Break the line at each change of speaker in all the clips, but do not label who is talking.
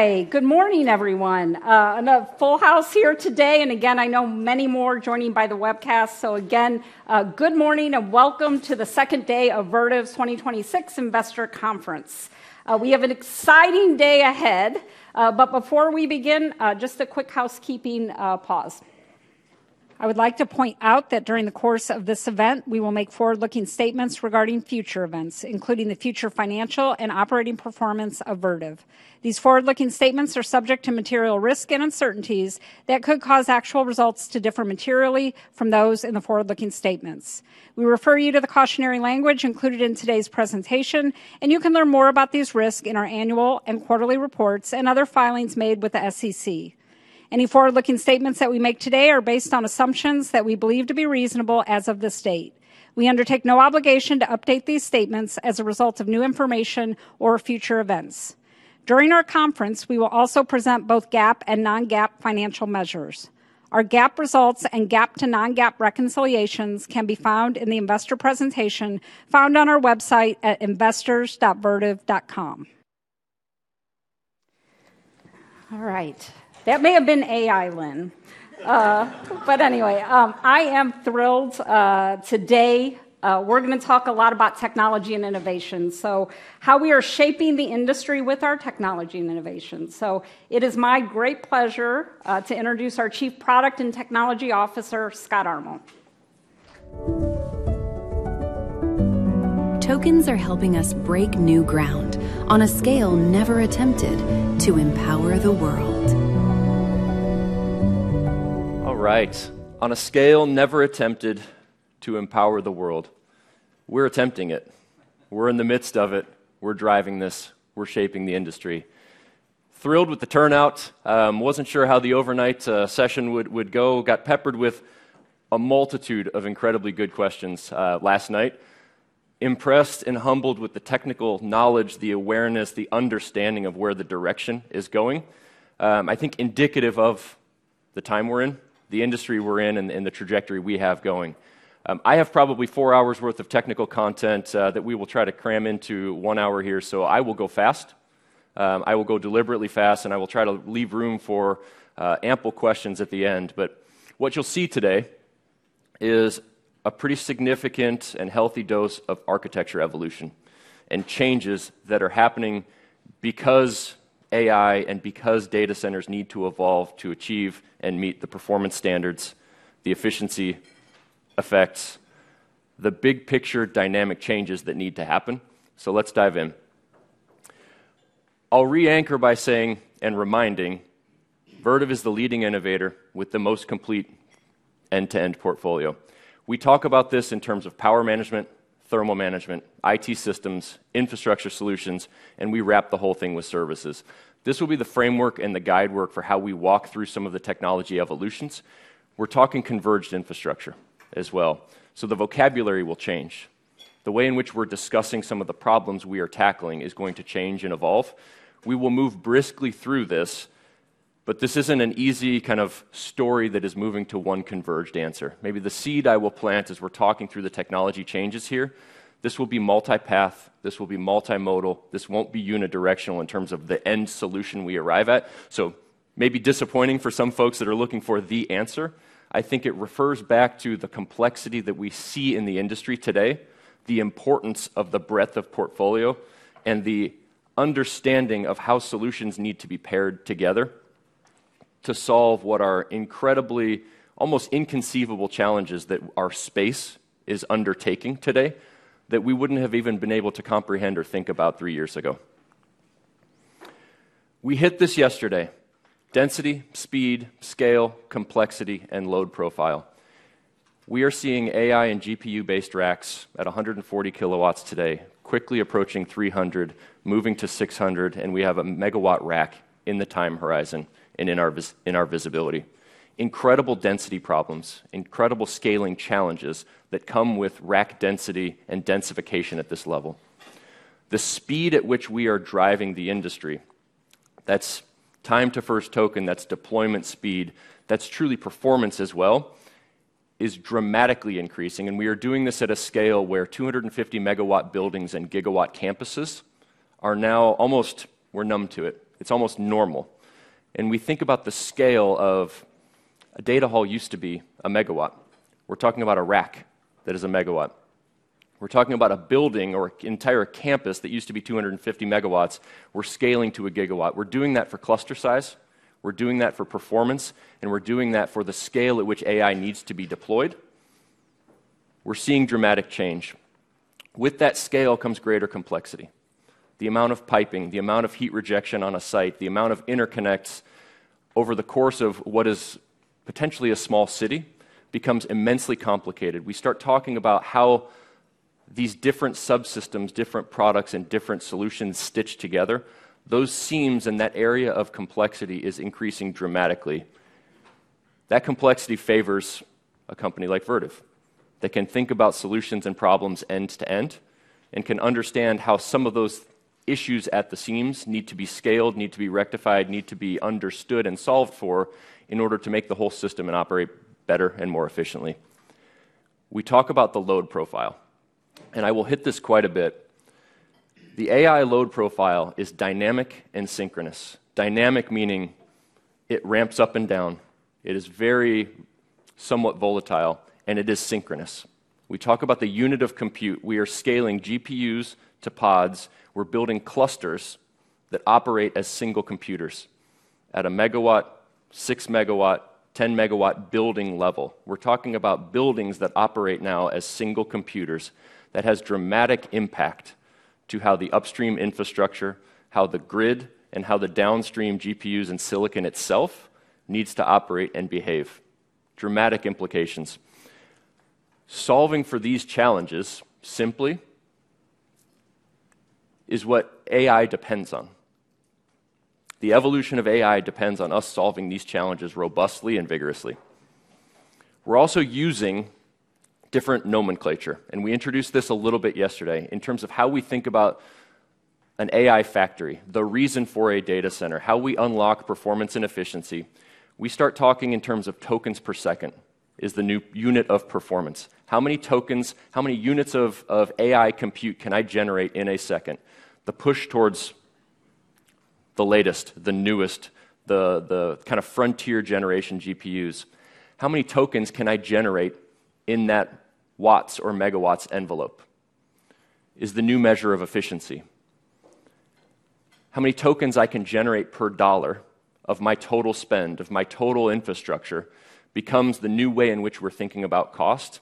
Hi. Good morning, everyone. A full house here today, again, I know many more joining by the webcast. Again, good morning and welcome to the second day of Vertiv's 2026 Investor Conference. We have an exciting day ahead. Before we begin, just a quick housekeeping pause. I would like to point out that during the course of this event, we will make forward-looking statements regarding future events, including the future financial and operating performance of Vertiv. These forward-looking statements are subject to material risks and uncertainties that could cause actual results to differ materially from those in the forward-looking statements. We refer you to the cautionary language included in today's presentation, you can learn more about these risks in our annual and quarterly reports and other filings made with the SEC. Any forward-looking statements that we make today are based on assumptions that we believe to be reasonable as of this date. We undertake no obligation to update these statements as a result of new information or future events. During our conference, we will also present both GAAP and non-GAAP financial measures. Our GAAP results and GAAP to non-GAAP reconciliations can be found in the investor presentation found on our website at investors.vertiv.com. All right. That may have been AI, Lynne. Anyway, I am thrilled. Today, we're going to talk a lot about technology and innovation, so how we are shaping the industry with our technology and innovation. It is my great pleasure to introduce our Chief Product and Technology Officer, Scott Armul.
Tokens are helping us break new ground on a scale never attempted to empower the world.
All right. On a scale never attempted to empower the world. We're attempting it. We're in the midst of it. We're driving this. We're shaping the industry. Thrilled with the turnout. Wasn't sure how the overnight session would go. Got peppered with a multitude of incredibly good questions last night. Impressed and humbled with the technical knowledge, the awareness, the understanding of where the direction is going. I think indicative of the time we're in, the industry we're in, and the trajectory we have going. I have probably four hours worth of technical content that we will try to cram into one hour here. I will go fast. I will go deliberately fast, and I will try to leave room for ample questions at the end. What you'll see today is a pretty significant and healthy dose of architecture evolution and changes that are happening because AI and because data centres need to evolve to achieve and meet the performance standards, the efficiency effects, the big-picture dynamic changes that need to happen. Let's dive in. I'll re-anchor by saying and reminding, Vertiv is the leading innovator with the most complete end-to-end portfolio. We talk about this in terms of power management, thermal management, IT systems, infrastructure solutions, and we wrap the whole thing with services. This will be the framework and the guide work for how we walk through some of the technology evolutions. We're talking converged infrastructure as well. The vocabulary will change. The way in which we're discussing some of the problems we are tackling is going to change and evolve. We will move briskly through this, but this isn't an easy story that is moving to one converged answer. Maybe the seed I will plant as we're talking through the technology changes here, this will be multipath, this will be multimodal, this won't be unidirectional in terms of the end solution we arrive at. Maybe disappointing for some folks that are looking for the answer. I think it refers back to the complexity that we see in the industry today, the importance of the breadth of portfolio, and the understanding of how solutions need to be paired together to solve what are incredibly, almost inconceivable challenges that our space is undertaking today that we wouldn't have even been able to comprehend or think about three years ago. We hit this yesterday. Density, speed, scale, complexity, and load profile. We are seeing AI and GPU-based racks at 140 kW today, quickly approaching 300 kW, moving to 600 kW, and we have a megawatt rack in the time horizon and in our visibility. Incredible density problems, incredible scaling challenges that come with rack density and densification at this level. The speed at which we are driving the industry, that's time to first token, that's deployment speed, that's truly performance as well, is dramatically increasing, and we are doing this at a scale where 250 MW buildings and gigawatt campuses are now almost. We're numb to it. It's almost normal. We think about the scale of a data hall used to be a megawatt. We're talking about a rack that is a megawatt. We're talking about a building or entire campus that used to be 250 MW, we're scaling to a gigawatt. We're doing that for cluster size, we're doing that for performance, and we're doing that for the scale at which AI needs to be deployed. We're seeing dramatic change. With that scale comes greater complexity. The amount of piping, the amount of heat rejection on a site, the amount of interconnects over the course of what is potentially a small city becomes immensely complicated. We start talking about how these different subsystems, different products, and different solutions stitch together. Those seams and that area of complexity is increasing dramatically. That complexity favors a company like Vertiv that can think about solutions and problems end to end and can understand how some of those issues at the seams need to be scaled, need to be rectified, need to be understood and solved for in order to make the whole system operate better and more efficiently. We talk about the load profile, and I will hit this quite a bit. The AI load profile is dynamic and synchronous. Dynamic meaning it ramps up and down. It is very somewhat volatile, and it is synchronous. We talk about the unit of compute. We are scaling GPUs to pods. We're building clusters that operate as single computers at a 1 MW, 6 MW, 10 MW building level. We're talking about buildings that operate now as single computers that has dramatic impact to how the upstream infrastructure, how the grid, and how the downstream GPUs and silicon itself needs to operate and behave. Dramatic implications. Solving for these challenges simply is what AI depends on. The evolution of AI depends on us solving these challenges robustly and vigorously. We're also using different nomenclature. We introduced this a little bit yesterday in terms of how we think about an AI factory, the reason for a data centre, how we unlock performance and efficiency. We start talking in terms of tokens per second is the new unit of performance. How many tokens, how many units of AI compute can I generate in a second? The push towards the latest, the newest, the frontier generation GPUs. How many tokens can I generate in that watts or megawatts envelope is the new measure of efficiency. How many tokens I can generate per dollar of my total spend, of my total infrastructure, becomes the new way in which we're thinking about cost,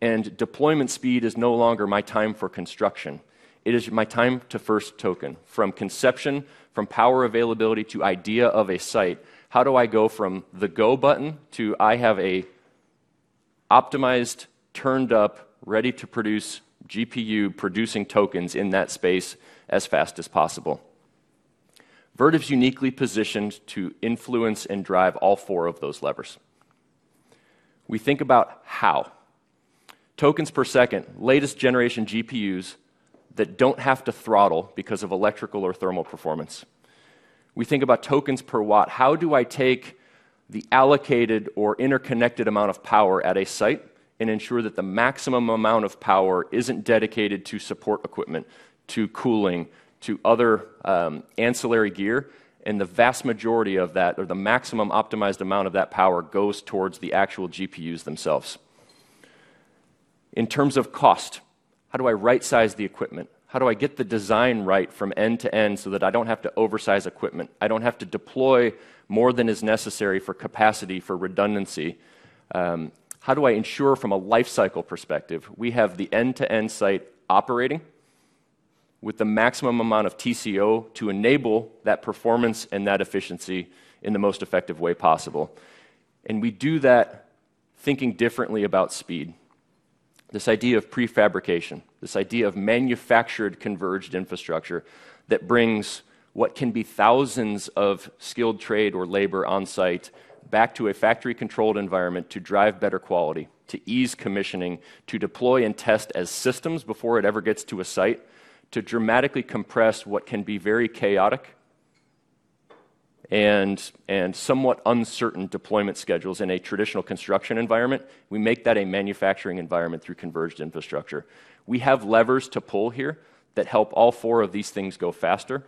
and deployment speed is no longer my time for construction. It is my time to first token. From conception, from power availability to idea of a site, how do I go from the go button to I have an optimized, turned up, ready-to-produce GPU producing tokens in that space as fast as possible. Vertiv's uniquely positioned to influence and drive all four of those levers. We think about how. Tokens per second, latest generation GPUs that don't have to throttle because of electrical or thermal performance. We think about tokens per watt. How do I take the allocated or interconnected amount of power at a site and ensure that the maximum amount of power isn't dedicated to support equipment, to cooling, to other ancillary gear, and the vast majority of that or the maximum optimized amount of that power goes towards the actual GPUs themselves. In terms of cost, how do I right-size the equipment? How do I get the design right from end to end so that I don't have to oversize equipment, I don't have to deploy more than is necessary for capacity for redundancy? How do I ensure from a life cycle perspective we have the end-to-end site operating with the maximum amount of TCO to enable that performance and that efficiency in the most effective way possible? We do that thinking differently about speed. This idea of prefabrication, this idea of manufactured converged infrastructure that brings what can be thousands of skilled trade or labor on-site back to a factory-controlled environment to drive better quality, to ease commissioning, to deploy and test as systems before it ever gets to a site, to dramatically compress what can be very chaotic and somewhat uncertain deployment schedules in a traditional construction environment. We make that a manufacturing environment through converged infrastructure. We have levers to pull here that help all four of these things go faster.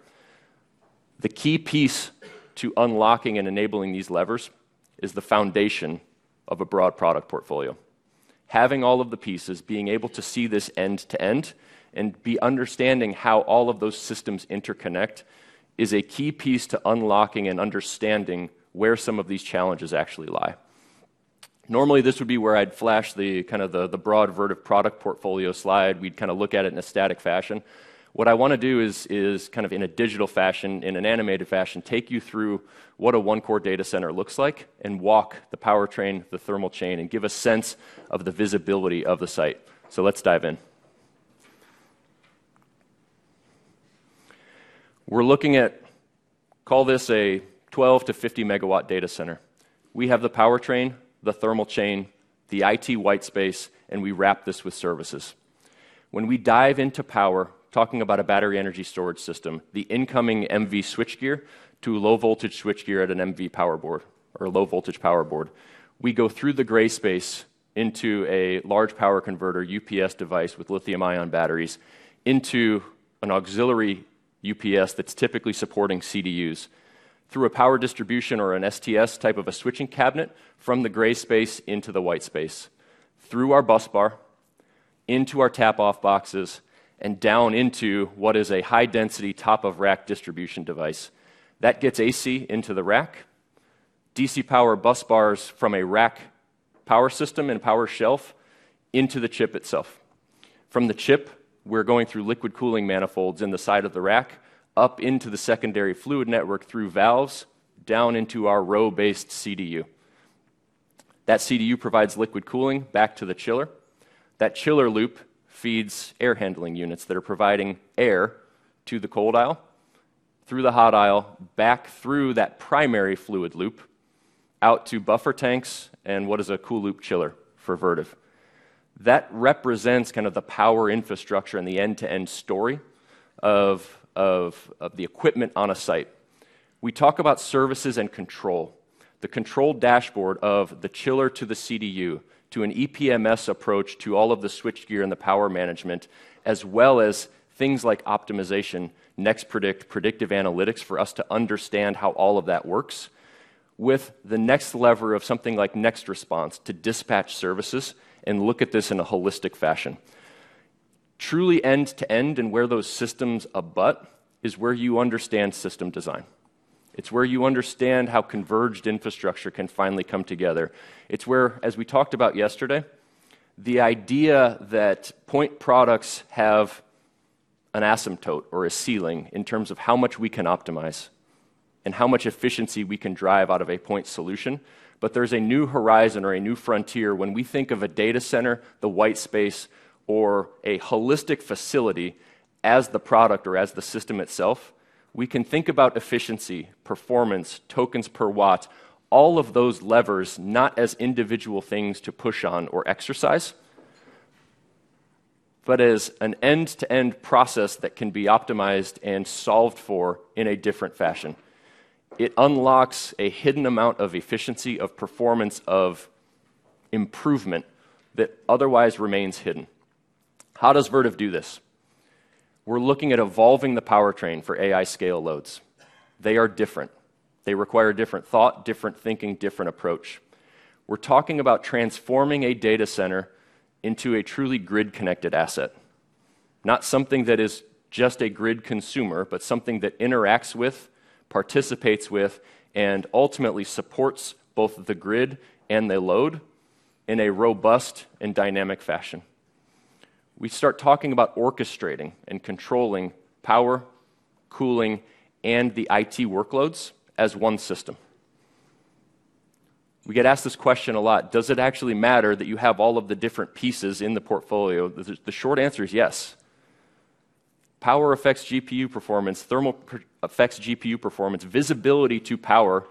The key piece to unlocking and enabling these levers is the foundation of a broad product portfolio. Having all of the pieces, being able to see this end to end, and be understanding how all of those systems interconnect is a key piece to unlocking and understanding where some of these challenges actually lie. Normally, this would be where I'd flash the broad Vertiv product portfolio slide. We'd look at it in a static fashion. What I want to do is in a digital fashion, in an animated fashion, take you through what a Vertiv OneCore data centre looks like and walk the powertrain, the thermal chain, and give a sense of the visibility of the site. Let's dive in. We're looking at, call this a 12 MW-50 MW data centre. We have the powertrain, the thermal chain, the IT white space, and we wrap this with services. When we dive into power, talking about a Battery Energy Storage System, the incoming MV switchgear to a low-voltage switchgear at an MV power board or a low-voltage power board. We go through the gray space into a large power converter UPS device with Lithium-ion batteries into an auxiliary UPS that's typically supporting CDUs through a power distribution or an STS type of a switching cabinet from the gray space into the white space, through our busbar, into our tap off boxes, and down into what is a high-density top-of-rack distribution device. That gets AC into the rack, DC power busbars from a rack power system and power shelf into the chip itself. From the chip, we're going through liquid cooling manifolds in the side of the rack, up into the secondary fluid network through valves, down into our row-based CDU. That CDU provides liquid cooling back to the chiller. That chiller loop feeds air handling units that are providing air to the cold aisle, through the hot aisle, back through that primary fluid loop, out to buffer tanks, and what is a Vertiv CoolLoop Chiller for Vertiv. That represents the power infrastructure and the end-to-end story of the equipment on a site. We talk about services and control. The control dashboard of the chiller to the CDU, to an EPMS approach to all of the switchgear and the power management, as well as things like optimization, Next Predict, predictive analytics for us to understand how all of that works, with the next lever of something like Next Response to dispatch services and look at this in a holistic fashion. Truly end-to-end and where those systems abut is where you understand system design. It's where you understand how converged infrastructure can finally come together. It's where, as we talked about yesterday, the idea that point products have an asymptote or a ceiling in terms of how much we can optimize and how much efficiency we can drive out of a point solution. There's a new horizon or a new frontier when we think of a data centre, the white space, or a holistic facility as the product or as the system itself. We can think about efficiency, performance, tokens per watt, all of those levers, not as individual things to push on or exercise, but as an end-to-end process that can be optimized and solved for in a different fashion. It unlocks a hidden amount of efficiency, of performance, of improvement that otherwise remains hidden. How does Vertiv do this? We're looking at evolving the powertrain for AI scale loads. They are different. They require different thought, different thinking, different approach. We're talking about transforming a data centre into a truly grid-connected asset. Not something that is just a grid consumer, but something that interacts with, participates with, and ultimately supports both the grid and the load in a robust and dynamic fashion. We start talking about orchestrating and controlling power, cooling, and the IT workloads as one system. We get asked this question a lot: does it actually matter that you have all of the different pieces in the portfolio? The short answer is yes. Power affects GPU performance, thermal affects GPU performance. Visibility to power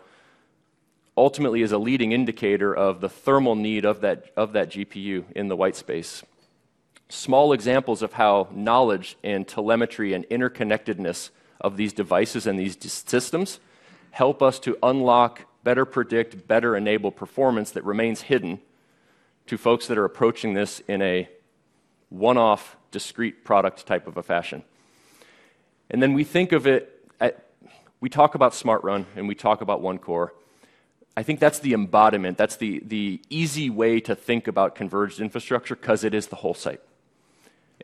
ultimately is a leading indicator of the thermal need of that GPU in the white space. Small examples of how knowledge and telemetry and interconnectedness of these devices and these systems help us to unlock, better predict, better enable performance that remains hidden to folks that are approaching this in a one-off, discrete product type of a fashion. We talk about SmartRun and we talk about OneCore. I think that's the embodiment. That's the easy way to think about converged infrastructure because it is the whole site.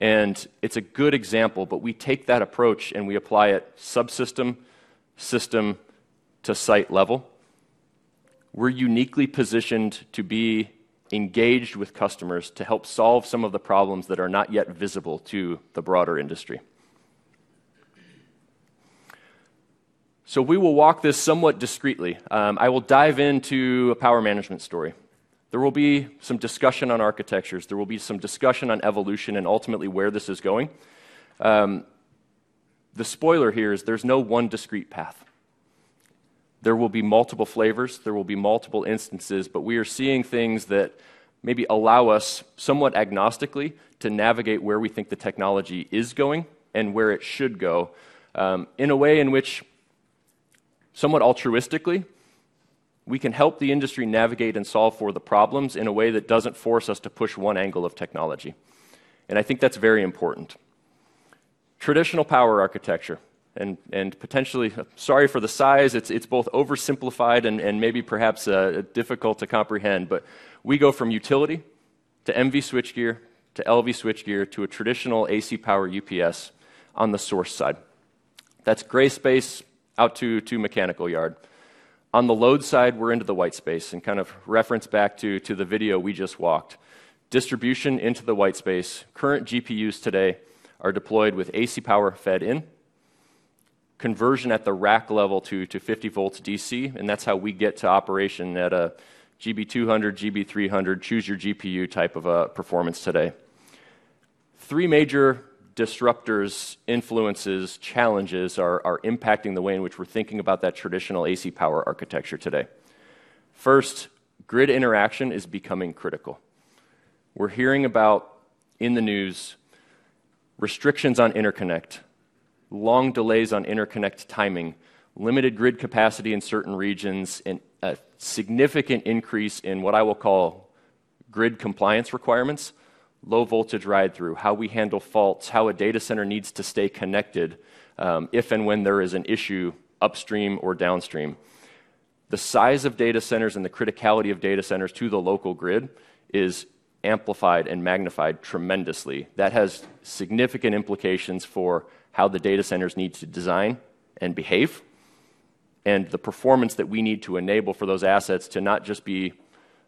It's a good example, we take that approach and we apply it subsystem, system to site level. We're uniquely positioned to be engaged with customers to help solve some of the problems that are not yet visible to the broader industry. We will walk this somewhat discreetly. I will dive into a power management story. There will be some discussion on architectures. There will be some discussion on evolution and ultimately where this is going. The spoiler here is there's no one discrete path. There will be multiple flavors, there will be multiple instances, but we are seeing things that maybe allow us, somewhat agnostically, to navigate where we think the technology is going and where it should go, in a way in which, somewhat altruistically, we can help the industry navigate and solve for the problems in a way that doesn't force us to push one angle of technology. I think that's very important. Traditional power architecture. Sorry for the size. It's both oversimplified and maybe perhaps difficult to comprehend, but we go from utility to MV switchgear, to LV switchgear, to a traditional AC power UPS on the source side. That's gray space out to mechanical yard. On the load side, we're into the white space, in kind of reference back to the video we just watched. Distribution into the white space. Current GPUs today are deployed with AC power fed in, conversion at the rack level to 50 VDC, and that's how we get to operation at a GB200, GB300, choose your GPU type of a performance today. Three major disruptors, influences, challenges are impacting the way in which we're thinking about that traditional AC power architecture today. First, grid interaction is becoming critical. We're hearing about, in the news, restrictions on interconnect, long delays on interconnect timing, limited grid capacity in certain regions, and a significant increase in what I will call grid compliance requirements, low voltage ride through, how we handle faults, how a data centre needs to stay connected, if and when there is an issue upstream or downstream. The size of data centres and the criticality of data centres to the local grid is amplified and magnified tremendously. That has significant implications for how the data centres need to design and behave, and the performance that we need to enable for those assets to not just be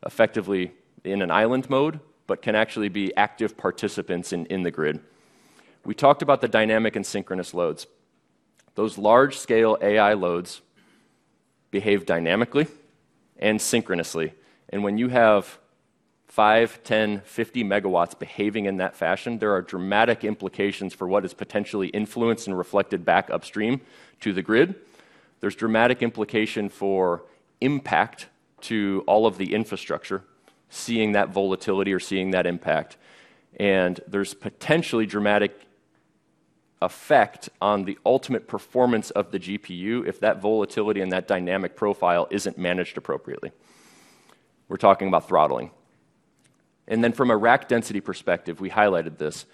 effectively in an island mode, but can actually be active participants in the grid. We talked about the dynamic and synchronous loads. Those large-scale AI loads behave dynamically and synchronously, and when you have 5 MW, 10 MW, 50 MW behaving in that fashion, there are dramatic implications for what is potentially influenced and reflected back upstream to the grid. There's dramatic implication for impact to all of the infrastructure seeing that volatility or seeing that impact. There's potentially dramatic effect on the ultimate performance of the GPU if that volatility and that dynamic profile isn't managed appropriately. We're talking about throttling. From a rack density perspective, we highlighted this.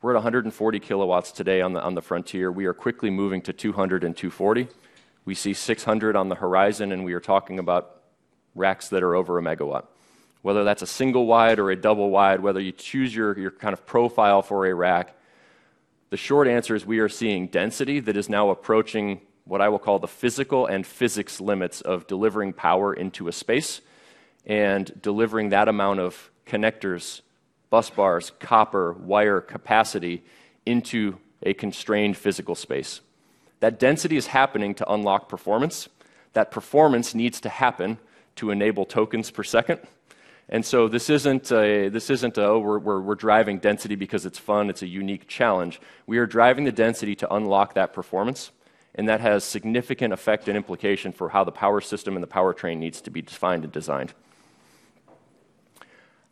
We're at 140 kW today on the frontier. We are quickly moving to 200 kW and 240 kW. We see 600 kW on the horizon. We are talking about racks that are over 1 MW. Whether that's a single wide or a double wide, whether you choose your kind of profile for a rack, the short answer is we are seeing density that is now approaching what I will call the physical and physics limits of delivering power into a space and delivering that amount of connectors, busbars, copper, wire capacity into a constrained physical space. That density is happening to unlock performance. That performance needs to happen to enable tokens per second. This isn't a "Oh, we're driving density because it's fun. It's a unique challenge." We are driving the density to unlock that performance, and that has significant effect and implication for how the power system and the powertrain needs to be defined and designed.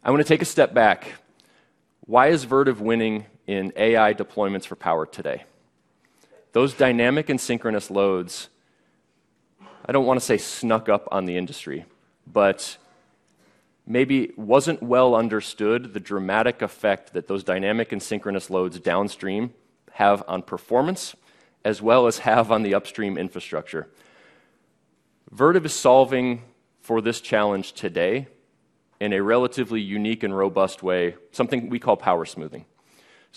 I want to take a step back. Why is Vertiv winning in AI deployments for power today? Those dynamic and synchronous loads, I don't want to say snuck up on the industry, but maybe wasn't well understood the dramatic effect that those dynamic and synchronous loads downstream have on performance, as well as have on the upstream infrastructure. Vertiv is solving for this challenge today in a relatively unique and robust way, something we call power smoothing.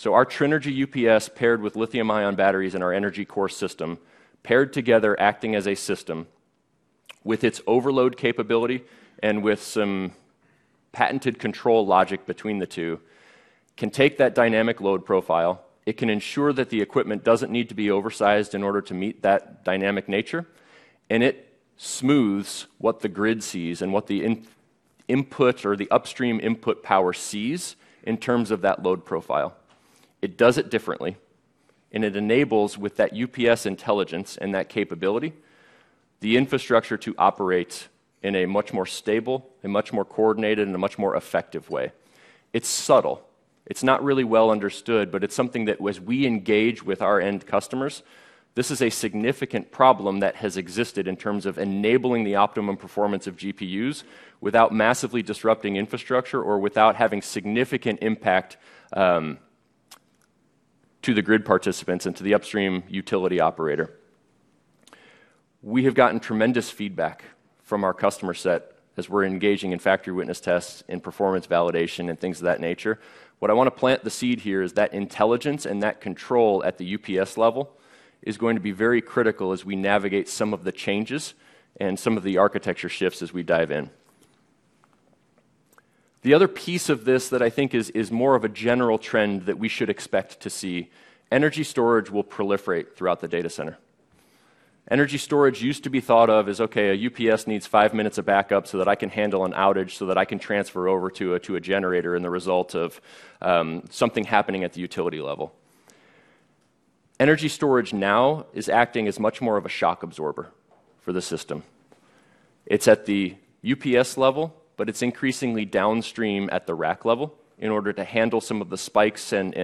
Our Trinergy UPS paired with Lithium-ion batteries in our EnergyCore system, paired together acting as a system with its overload capability and with some patented control logic between the two, can take that dynamic load profile. It can ensure that the equipment doesn't need to be oversized in order to meet that dynamic nature, and it smooths what the grid sees and what the input or the upstream input power sees in terms of that load profile. It does it differently, and it enables, with that UPS intelligence and that capability, the infrastructure to operate in a much more stable and much more coordinated and a much more effective way. It's subtle. It's not really well understood, but it's something that as we engage with our end customers, this is a significant problem that has existed in terms of enabling the optimum performance of GPUs without massively disrupting infrastructure or without having significant impact to the grid participants and to the upstream utility operator. We have gotten tremendous feedback from our customer set as we're engaging in factory witness tests and performance validation and things of that nature. What I want to plant the seed here is that intelligence and that control at the UPS level is going to be very critical as we navigate some of the changes and some of the architecture shifts as we dive in. The other piece of this that I think is more of a general trend that we should expect to see, energy storage will proliferate throughout the data centre. Energy storage used to be thought of as, okay, a UPS needs five minutes of backup so that I can handle an outage so that I can transfer over to a generator and the result of something happening at the utility level. Energy storage now is acting as much more of a shock absorber for the system. It's at the UPS level, but it's increasingly downstream at the rack level in order to handle some of the spikes and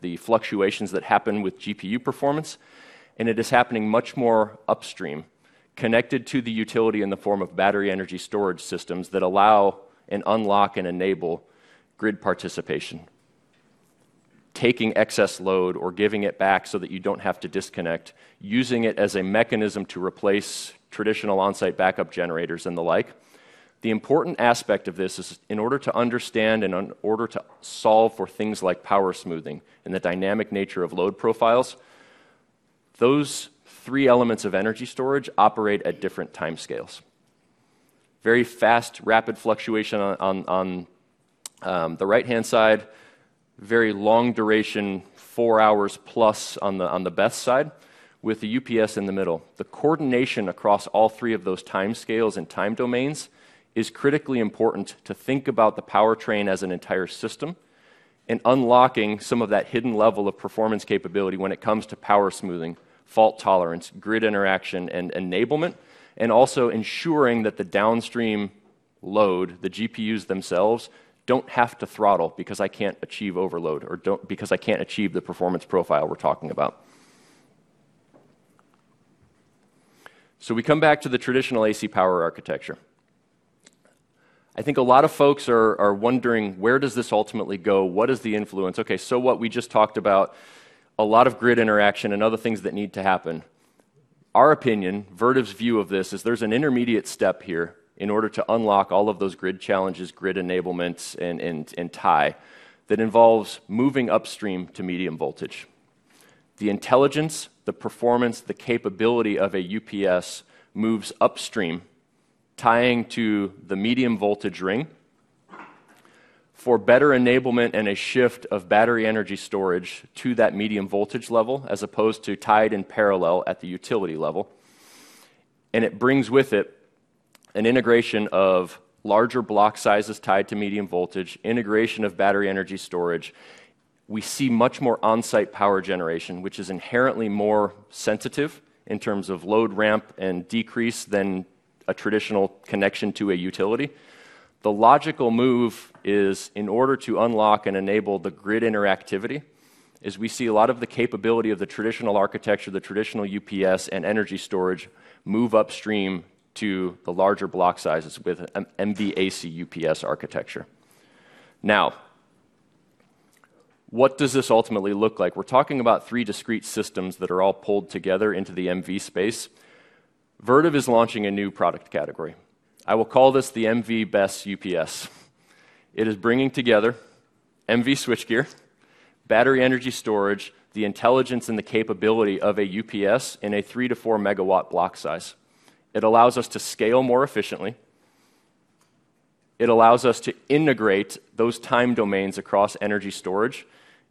the fluctuations that happen with GPU performance. It is happening much more upstream, connected to the utility in the form of Battery Energy Storage Systems that allow and unlock and enable grid participation, taking excess load or giving it back so that you don't have to disconnect, using it as a mechanism to replace traditional on-site backup generators and the like. The important aspect of this is in order to understand and in order to solve for things like power smoothing and the dynamic nature of load profiles, those three elements of energy storage operate at different timescales. Very fast, rapid fluctuation on the right-hand side, very long duration, four hours plus on the BESS side, with the UPS in the middle. The coordination across all three of those timescales and time domains is critically important to think about the powertrain as an entire system and unlocking some of that hidden level of performance capability when it comes to power smoothing, fault tolerance, grid interaction, and enablement, and also ensuring that the downstream load, the GPUs themselves, don't have to throttle because I can't achieve overload or because I can't achieve the performance profile we're talking about. We come back to the traditional AC power architecture. I think a lot of folks are wondering, where does this ultimately go? What is the influence? Okay, what we just talked about, a lot of grid interaction and other things that need to happen. Our opinion, Vertiv's view of this is there's an intermediate step here in order to unlock all of those grid challenges, grid enablements, and tie that involves moving upstream to medium voltage. The intelligence, the performance, the capability of a UPS moves upstream, tying to the medium voltage ring for better enablement and a shift of Battery Energy Storage to that medium voltage level, as opposed to tied in parallel at the utility level. It brings with it an integration of larger block sizes tied to medium voltage, integration of Battery Energy Storage. We see much more on-site power generation, which is inherently more sensitive in terms of load ramp and decrease than a traditional connection to a utility. The logical move is in order to unlock and enable the grid interactivity, is we see a lot of the capability of the traditional architecture, the traditional UPS and energy storage move upstream to the larger block sizes with an MV AC UPS architecture. What does this ultimately look like? We're talking about three discrete systems that are all pulled together into the MV space. Vertiv is launching a new product category. I will call this the MV BESS UPS. It is bringing together MV switchgear, Battery Energy Storage, the intelligence and the capability of a UPS in a 3 MW-4 MW block size. It allows us to scale more efficiently. It allows us to integrate those time domains across energy storage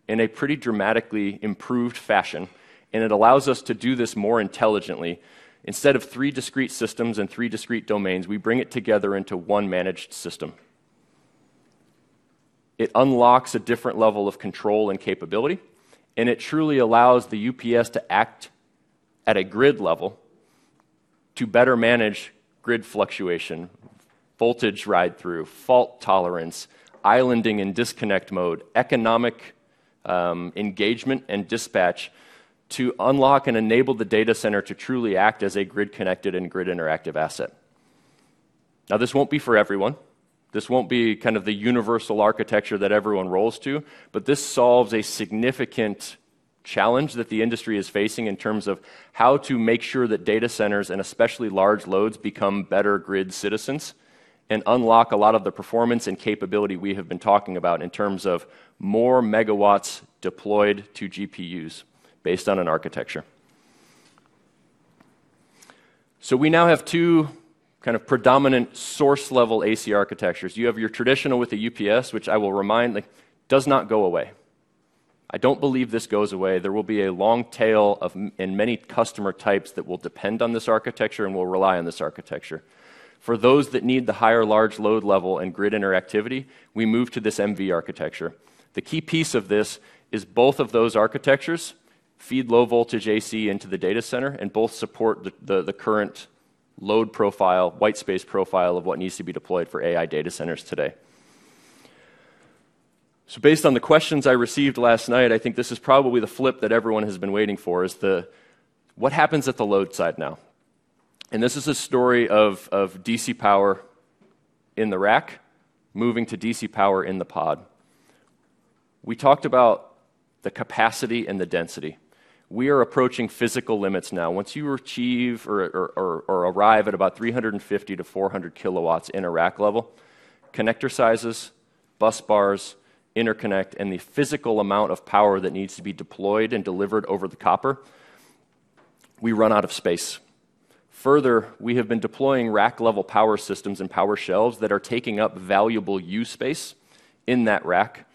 in a pretty dramatically improved fashion. It allows us to do this more intelligently. Instead of three discrete systems and three discrete domains, we bring it together into one managed system. It unlocks a different level of control and capability, and it truly allows the UPS to act at a grid level to better manage grid fluctuation, voltage ride through, fault tolerance, islanding and disconnect mode, economic engagement, and dispatch to unlock and enable the data centre to truly act as a grid connected and grid interactive asset. This won't be for everyone. This won't be kind of the universal architecture that everyone rolls to, but this solves a significant challenge that the industry is facing in terms of how to make sure that data centres and especially large loads become better grid citizens and unlock a lot of the performance and capability we have been talking about in terms of more megawatts deployed to GPUs based on an architecture. We now have two kind of predominant source level AC architectures. You have your traditional with a UPS, which I will remind, does not go away. I don't believe this goes away. There will be a long tail and many customer types that will depend on this architecture and will rely on this architecture. For those that need the higher large load level and grid interactivity, we move to this MV architecture. The key piece of this is both of those architectures feed low voltage AC into the data centre and both support the current load profile, white space profile of what needs to be deployed for AI data centres today. Based on the questions I received last night, I think this is probably the flip that everyone has been waiting for, is the what happens at the load side now. This is a story of DC power in the rack moving to DC power in the pod. We talked about the capacity and the density. We are approaching physical limits now. Once you achieve or arrive at about 350 kW-400 kW in a rack level, connector sizes, busbars, interconnect, and the physical amount of power that needs to be deployed and delivered over the copper, we run out of space. Further, we have been deploying rack level power systems and power shelves that are taking up valuable use space in that rack.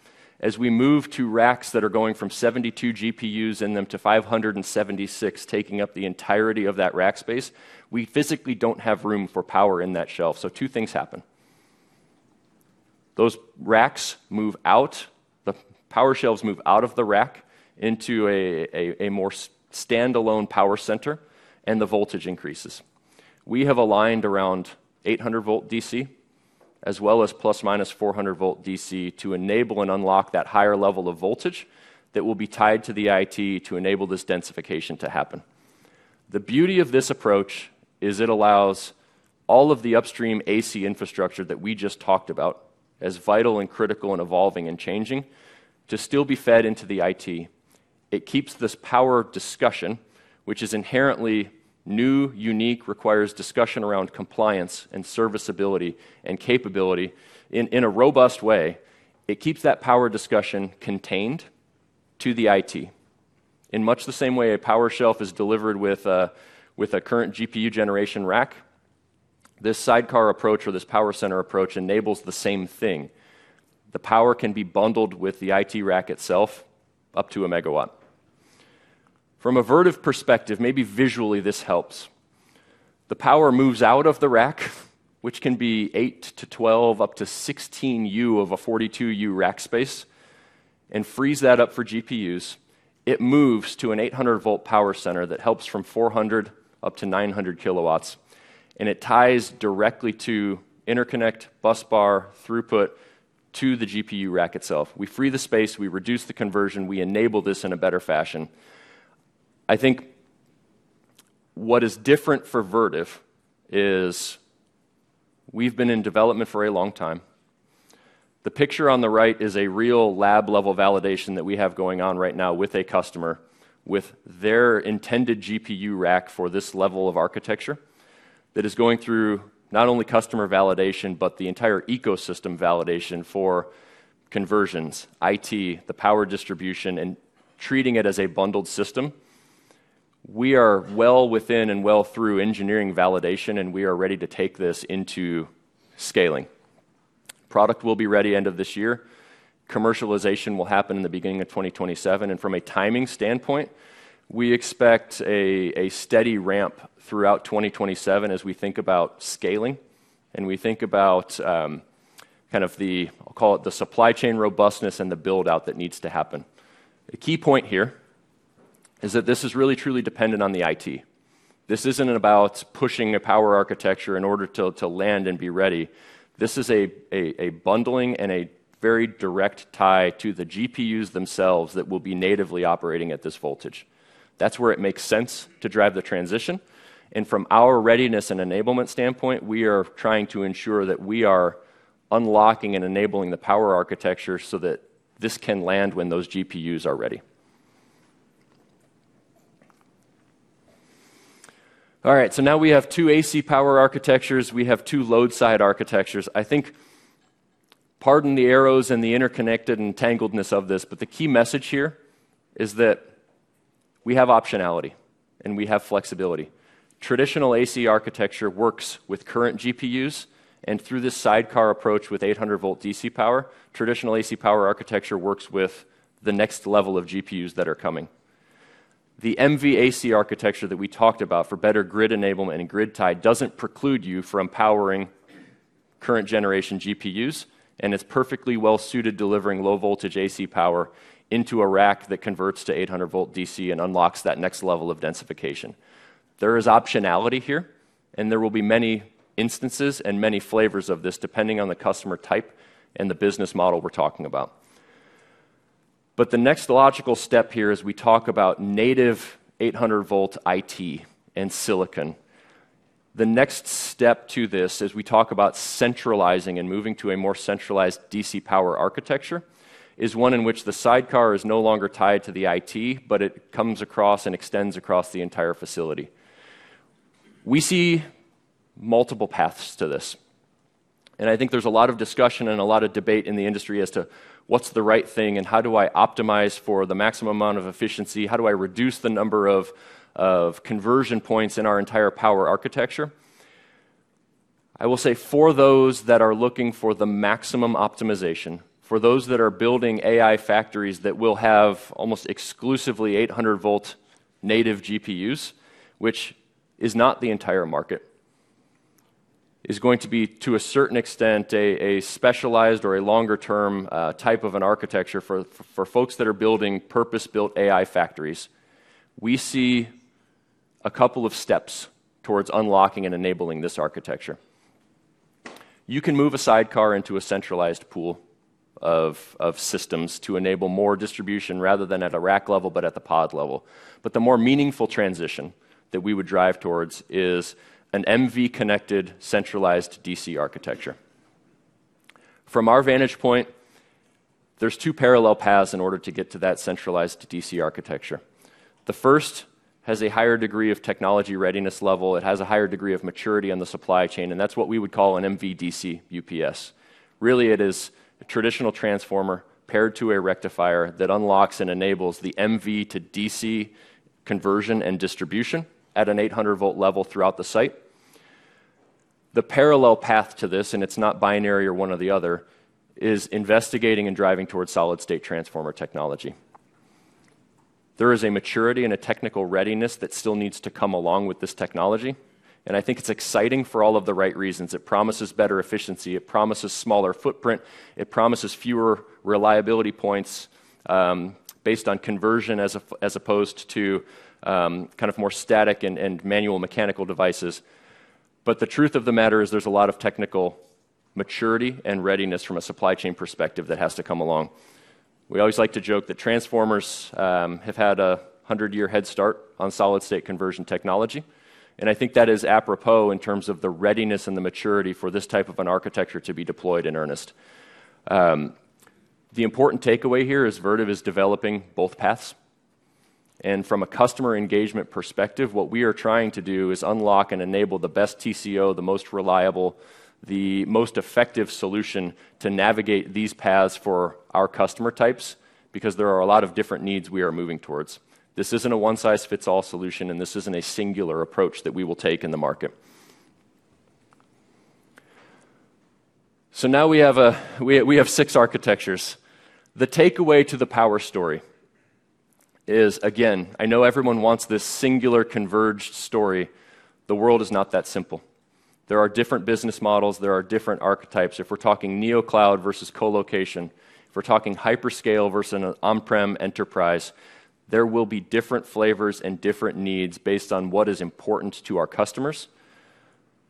As we move to racks that are going from 72 GPUs in them to 576 GPUs taking up the entirety of that rack space, we physically don't have room for power in that shelf. Two things happen. Those racks move out, the power shelves move out of the rack into a more standalone power center, and the voltage increases. We have aligned around 800 VDC as well as ±400 VDC to enable and unlock that higher level of voltage that will be tied to the IT to enable this densification to happen. The beauty of this approach is it allows all of the upstream AC infrastructure that we just talked about as vital and critical and evolving and changing to still be fed into the IT. It keeps this power discussion, which is inherently new, unique, requires discussion around compliance and serviceability and capability in a robust way. It keeps that power discussion contained to the IT. In much the same way a power shelf is delivered with a current GPU generation rack, this sidecar approach or this power center approach enables the same thing. The power can be bundled with the IT rack itself up to a megawatt. From a Vertiv perspective, maybe visually this helps. The power moves out of the rack, which can be 8U to 12U, up to 16U of a 42U rack space, and frees that up for GPUs. It moves to an 800 V power center that helps from 400 kW up to 900 kW, and it ties directly to interconnect busbar throughput to the GPU rack itself. We free the space, we reduce the conversion, we enable this in a better fashion. I think what is different for Vertiv is we've been in development for a long time. The picture on the right is a real lab-level validation that we have going on right now with a customer with their intended GPU rack for this level of architecture that is going through not only customer validation but the entire ecosystem validation for conversions, IT, the power distribution, and treating it as a bundled system. We are well within and well through engineering validation, and we are ready to take this into scaling. Product will be ready end of this year. Commercialization will happen in the beginning of 2027. From a timing standpoint, we expect a steady ramp throughout 2027 as we think about scaling. We think about the, I'll call it, the supply chain robustness and the build-out that needs to happen. A key point here is that this is really truly dependent on the IT. This isn't about pushing a power architecture in order to land and be ready. This is a bundling and a very direct tie to the GPUs themselves that will be natively operating at this voltage. That's where it makes sense to drive the transition. From our readiness and enablement standpoint, we are trying to ensure that we are unlocking and enabling the power architecture so that this can land when those GPUs are ready. All right, now we have two AC power architectures. We have two load side architectures. I think, pardon the arrows and the interconnected and tangledness of this, but the key message here is that we have optionality and we have flexibility. Traditional AC architecture works with current GPUs, and through this sidecar approach with 800 VDC power, traditional AC power architecture works with the next level of GPUs that are coming. The MV AC architecture that we talked about for better grid enablement and grid tie doesn't preclude you from powering current generation GPUs, and it's perfectly well-suited delivering low voltage AC power into a rack that converts to 800 VDC and unlocks that next level of densification. There is optionality here, and there will be many instances and many flavors of this depending on the customer type and the business model we're talking about. The next logical step here is we talk about native 800 V IT and silicon. The next step to this as we talk about centralizing and moving to a more centralized DC power architecture, is one in which the sidecar is no longer tied to the IT, but it comes across and extends across the entire facility. We see multiple paths to this, and I think there's a lot of discussion and a lot of debate in the industry as to what's the right thing and how do I optimize for the maximum amount of efficiency? How do I reduce the number of conversion points in our entire power architecture? I will say for those that are looking for the maximum optimization, for those that are building AI factories that will have almost exclusively 800 V native GPUs, which is not the entire market, is going to be, to a certain extent, a specialized or a longer-term type of an architecture for folks that are building purpose-built AI factories. We see a couple of steps towards unlocking and enabling this architecture. You can move a sidecar into a centralized pool of systems to enable more distribution rather than at a rack level, but at the pod level. The more meaningful transition that we would drive towards is an MV connected centralized DC architecture. From our vantage point, there's two parallel paths in order to get to that centralized DC architecture. The first has a higher degree of technology readiness level. It has a higher degree of maturity on the supply chain, and that's what we would call an MV DC UPS. Really, it is a traditional transformer paired to a rectifier that unlocks and enables the MV to DC conversion and distribution at an 800 V level throughout the site. The parallel path to this, and it's not binary or one or the other, is investigating and driving towards solid state transformer technology. There is a maturity and a technical readiness that still needs to come along with this technology, and I think it's exciting for all of the right reasons. It promises better efficiency. It promises smaller footprint. It promises fewer reliability points, based on conversion as opposed to more static and manual mechanical devices. The truth of the matter is there's a lot of technical maturity and readiness from a supply chain perspective that has to come along. We always like to joke that transformers have had a 100-year head start on solid state conversion technology, and I think that is apropos in terms of the readiness and the maturity for this type of an architecture to be deployed in earnest. The important takeaway here is Vertiv is developing both paths. From a customer engagement perspective, what we are trying to do is unlock and enable the best TCO, the most reliable, the most effective solution to navigate these paths for our customer types because there are a lot of different needs we are moving towards. This isn't a one size fits all solution, and this isn't a singular approach that we will take in the market. Now we have six architectures. The takeaway to the power story is, again, I know everyone wants this singular converged story. The world is not that simple. There are different business models. There are different archetypes. If we're talking neocloud versus co-location, if we're talking hyperscale versus an on-prem enterprise, there will be different flavors and different needs based on what is important to our customers.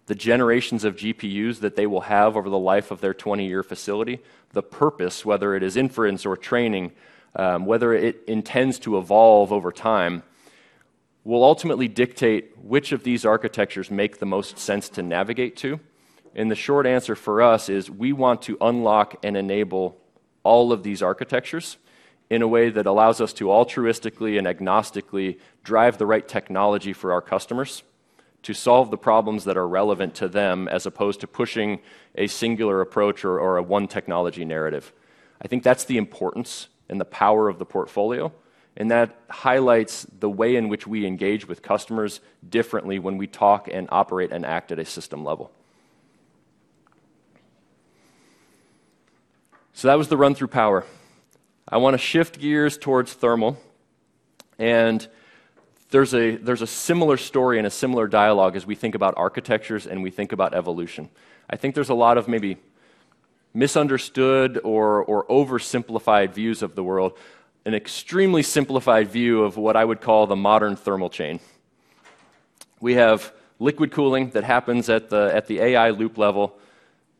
The generations of GPUs that they will have over the life of their 20-year facility. The purpose, whether it is inference or training, whether it intends to evolve over time, will ultimately dictate which of these architectures make the most sense to navigate to. The short answer for us is we want to unlock and enable all of these architectures in a way that allows us to altruistically and agnostically drive the right technology for our customers to solve the problems that are relevant to them, as opposed to pushing a singular approach or a one technology narrative. I think that's the importance and the power of the portfolio, and that highlights the way in which we engage with customers differently when we talk and operate and act at a system level. That was the run through power. I want to shift gears towards thermal, and there's a similar story and a similar dialogue as we think about architectures and we think about evolution. I think there's a lot of maybe misunderstood or oversimplified views of the world, an extremely simplified view of what I would call the modern thermal chain. We have liquid cooling that happens at the AI loop level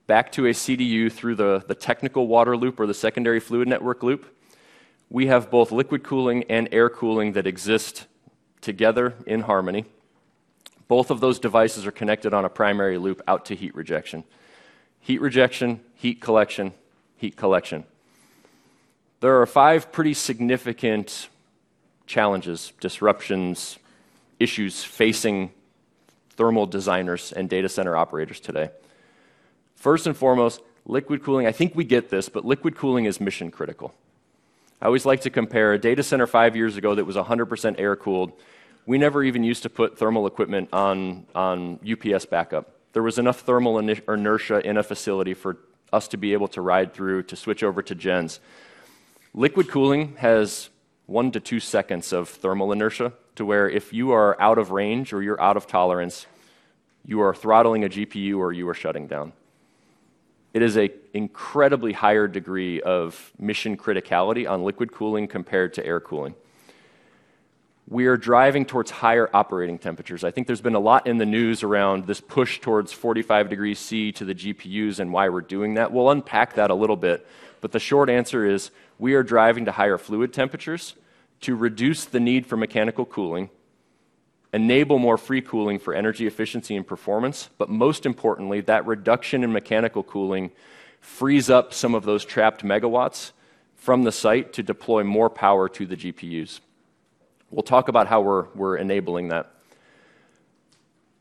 back to a CDU through the technical water loop or the secondary fluid network loop. We have both liquid cooling and air cooling that exist together in harmony. Both of those devices are connected on a primary loop out to heat rejection. Heat rejection, heat collection, heat collection. There are five pretty significant challenges, disruptions, issues facing thermal designers and data centre operators today. First and foremost, liquid cooling. I think we get this, but liquid cooling is mission-critical. I always like to compare a data centre five years ago that was 100% air-cooled. We never even used to put thermal equipment on UPS backup. There was enough thermal inertia in a facility for us to be able to ride through to switch over to gens. Liquid cooling has one to two seconds of thermal inertia to where if you are out of range or you're out of tolerance, you are throttling a GPU or you are shutting down. It is an incredibly higher degree of mission criticality on liquid cooling compared to air cooling. We are driving towards higher operating temperatures. I think there's been a lot in the news around this push towards 45 degrees C to the GPUs and why we're doing that. We'll unpack that a little bit, but the short answer is we are driving to higher fluid temperatures to reduce the need for mechanical cooling, enable more free cooling for energy efficiency and performance, but most importantly, that reduction in mechanical cooling frees up some of those trapped megawatts from the site to deploy more power to the GPUs. We'll talk about how we're enabling that.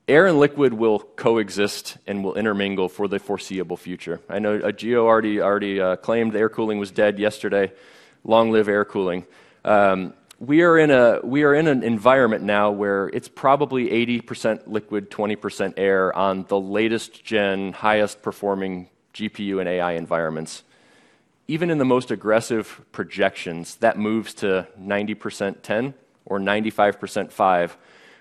Air and liquid will coexist and will intermingle for the foreseeable future. I know Gio already claimed air cooling was dead yesterday. Long live air cooling. We are in an environment now where it's probably 80% liquid, 20% air on the latest gen, highest performing GPU and AI environments. Even in the most aggressive projections, that moves to 90% 10% or 95% 5%.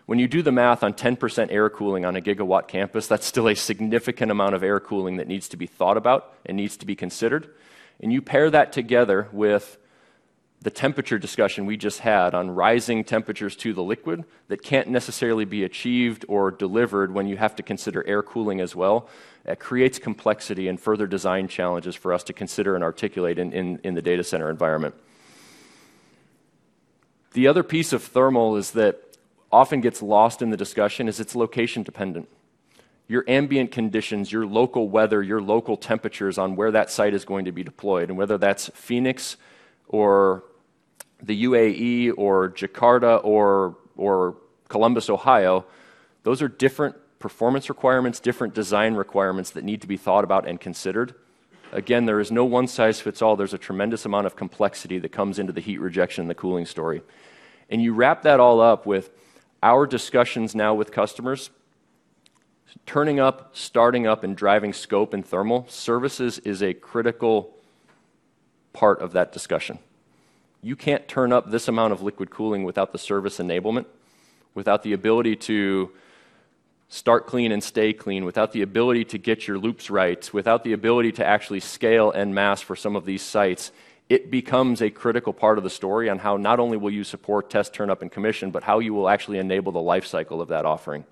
When you do the math on 10% air cooling on a gigawatt campus, that's still a significant amount of air cooling that needs to be thought about and needs to be considered. You pair that together with the temperature discussion we just had on rising temperatures to the liquid that can't necessarily be achieved or delivered when you have to consider air cooling as well. That creates complexity and further design challenges for us to consider and articulate in the data centre environment. The other piece of thermal is that often gets lost in the discussion is it's location dependent. Your ambient conditions, your local weather, your local temperatures on where that site is going to be deployed, and whether that's Phoenix or the UAE or Jakarta or Columbus, Ohio, those are different performance requirements, different design requirements that need to be thought about and considered. Again, there is no one size fits all. There's a tremendous amount of complexity that comes into the heat rejection and the cooling story. You wrap that all up with our discussions now with customers. Turning up, starting up, and driving scope and thermal services is a critical part of that discussion. You can't turn up this amount of liquid cooling without the service enablement, without the ability to start clean and stay clean, without the ability to get your loops right, without the ability to actually scale and mass for some of these sites. It becomes a critical part of the story on how not only will you support test turn up and commission, but how you will actually enable the life cycle of that offering.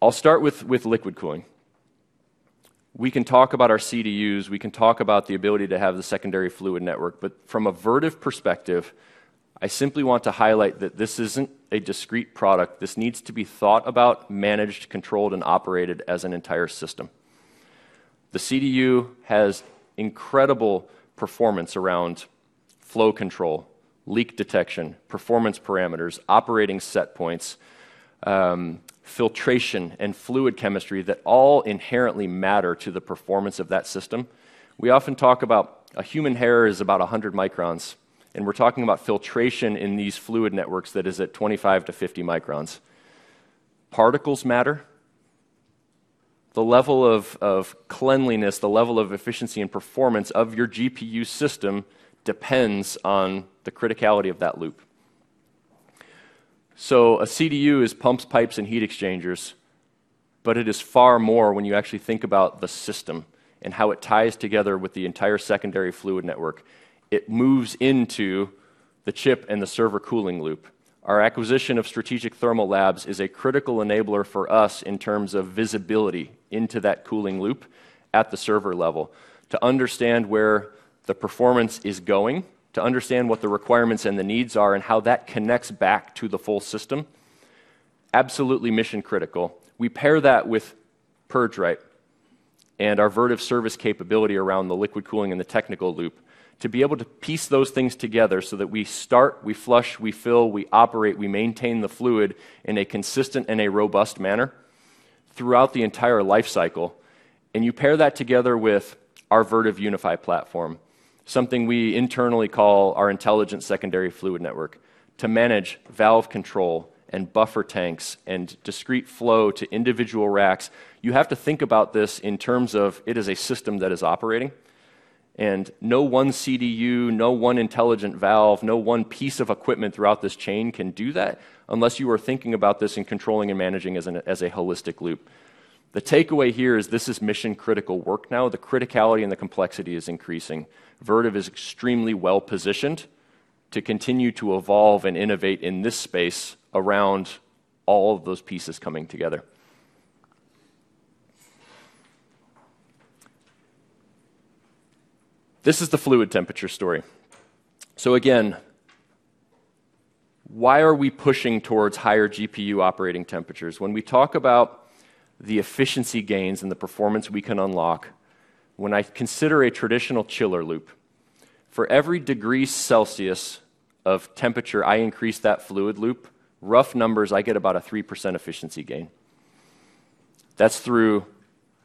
I'll start with liquid cooling. We can talk about our CDUs, we can talk about the ability to have the secondary fluid network, but from a Vertiv perspective, I simply want to highlight that this isn't a discrete product. This needs to be thought about, managed, controlled, and operated as an entire system. The CDU has incredible performance around flow control, leak detection, performance parameters, operating set points, filtration, and fluid chemistry that all inherently matter to the performance of that system. We often talk about a human hair is about 100 microns, and we're talking about filtration in these fluid networks that is at 25 microns-50 microns. Particles matter. The level of cleanliness, the level of efficiency and performance of your GPU system depends on the criticality of that loop. A CDU is pumps, pipes, and heat exchangers, but it is far more when you actually think about the system and how it ties together with the entire secondary fluid network. It moves into the chip and the server cooling loop. Our acquisition of Strategic Thermal Labs is a critical enabler for us in terms of visibility into that cooling loop at the server level to understand where the performance is going, to understand what the requirements and the needs are, and how that connects back to the full system. Absolutely mission-critical. We pair that with PurgeRite and our Vertiv service capability around the liquid cooling and the technical loop to be able to piece those things together so that we start, we flush, we fill, we operate, we maintain the fluid in a consistent and a robust manner throughout the entire life cycle. You pair that together with our Vertiv Unify platform, something we internally call our intelligent secondary fluid network, to manage valve control and buffer tanks and discrete flow to individual racks. You have to think about this in terms of it is a system that is operating. No one CDU, no one intelligent valve, no one piece of equipment throughout this chain can do that unless you are thinking about this and controlling and managing as a holistic loop. The takeaway here is this is mission-critical work now. The criticality and the complexity is increasing. Vertiv is extremely well-positioned to continue to evolve and innovate in this space around all of those pieces coming together. This is the fluid temperature story. Again, why are we pushing towards higher GPU operating temperatures? When we talk about the efficiency gains and the performance we can unlock, when I consider a traditional chiller loop, for every degree Celsius of temperature I increase that fluid loop, rough numbers, I get about a 3% efficiency gain. That's through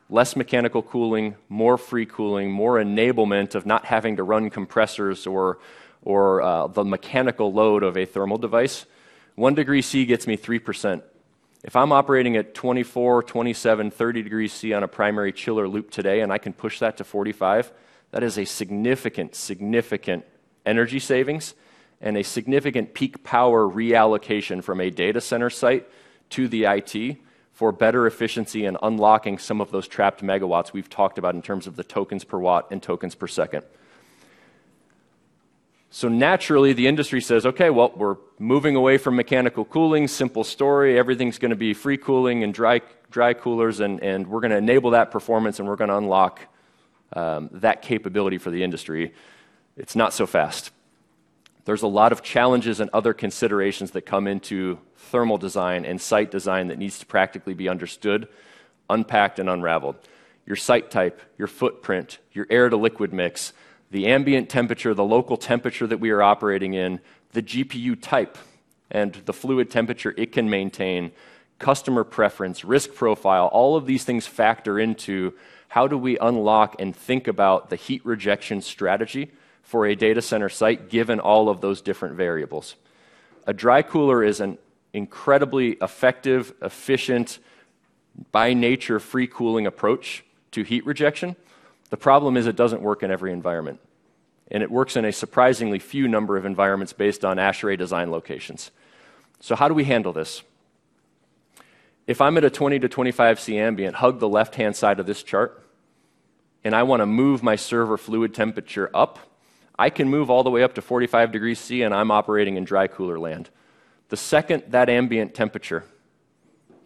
less mechanical cooling, more free cooling, more enablement of not having to run compressors or the mechanical load of a thermal device. 1 degrees C gets me 3%. If I'm operating at 24 degrees C, 27 degrees C, 30 degrees Celsius on a primary chiller loop today and I can push that to 45 degrees C, that is a significant energy savings and a significant peak power reallocation from a data centre site to the IT for better efficiency and unlocking some of those trapped megawatts we've talked about in terms of the tokens per watt and tokens per second. Naturally, the industry says, "Okay, well, we're moving away from mechanical cooling. Simple story. Everything's going to be free cooling and dry coolers and we're going to enable that performance and we're going to unlock that capability for the industry." It's not so fast. There's a lot of challenges and other considerations that come into thermal design and site design that needs to practically be understood, unpacked, and unraveled. Your site type, your footprint, your air-to-liquid mix, the ambient temperature, the local temperature that we are operating in, the GPU type, and the fluid temperature it can maintain, customer preference, risk profile, all of these things factor into how do we unlock and think about the heat rejection strategy for a data centre site given all of those different variables. A dry cooler is an incredibly effective, efficient, by nature, free cooling approach to heat rejection. The problem is it doesn't work in every environment, and it works in a surprisingly few number of environments based on ASHRAE design locations. How do we handle this? If I'm at a 20 C-25 C ambient, hug the left-hand side of this chart, and I want to move my server fluid temperature up, I can move all the way up to 45 degrees C and I'm operating in dry cooler land. The second that ambient temperature